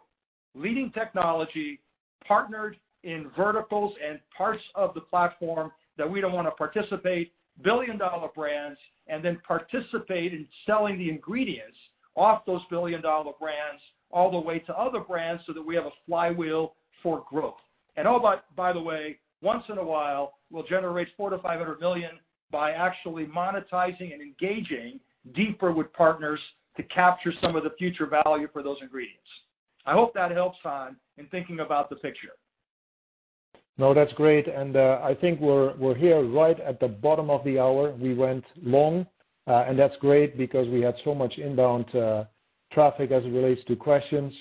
Speaker 3: Leading technology partnered in verticals and parts of the platform that we don't want to participate, billion-dollar brands, and then participate in selling the ingredients off those billion-dollar brands all the way to other brands so that we have a flywheel for growth. And by the way, once in a while, we'll generate $4 million-$500 million by actually monetizing and engaging deeper with partners to capture some of the future value for those ingredients. I hope that helps, Han, in thinking about the picture.
Speaker 2: No, that's great. And I think we're here right at the bottom of the hour. We went long, and that's great because we had so much inbound traffic as it relates to questions.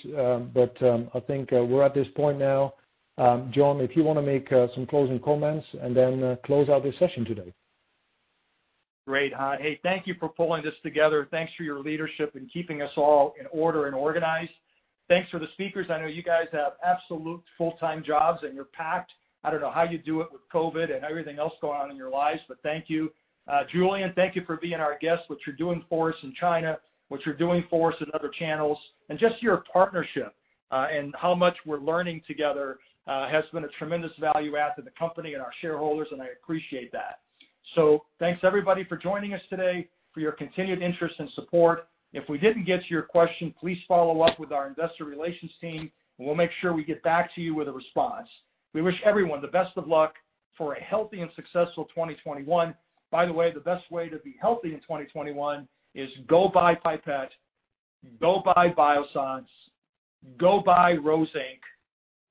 Speaker 2: But I think we're at this point now. John, if you want to make some closing comments and then close out the session today.
Speaker 3: Great. Hey, thank you for pulling this together. Thanks for your leadership and keeping us all in order and organized. Thanks for the speakers. I know you guys have absolute full-time jobs and you're packed. I don't know how you do it with COVID and everything else going on in your lives, but thank you. Julian, thank you for being our guest, what you're doing for us in China, what you're doing for us in other channels, and just your partnership and how much we're learning together has been a tremendous value add to the company and our shareholders, and I appreciate that. So thanks, everybody, for joining us today, for your continued interest and support. If we didn't get to your question, please follow up with our investor relations team, and we'll make sure we get back to you with a response. We wish everyone the best of luck for a healthy and successful 2021. By the way, the best way to be healthy in 2021 is go buy Pipette, go buy Biossance, go buy Rose Inc.,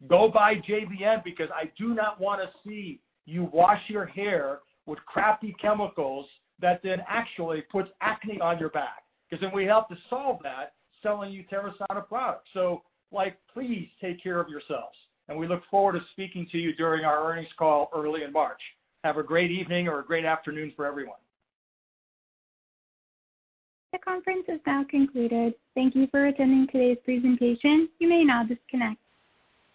Speaker 3: go buy JVN because I do not want to see you wash your hair with crappy chemicals that then actually put acne on your back because then we have to solve that selling you Terasana products. So please take care of yourselves, and we look forward to speaking to you during our earnings call early in March. Have a great evening or a great afternoon for everyone.
Speaker 1: The conference is now concluded. Thank you for attending today's presentation. You may now disconnect.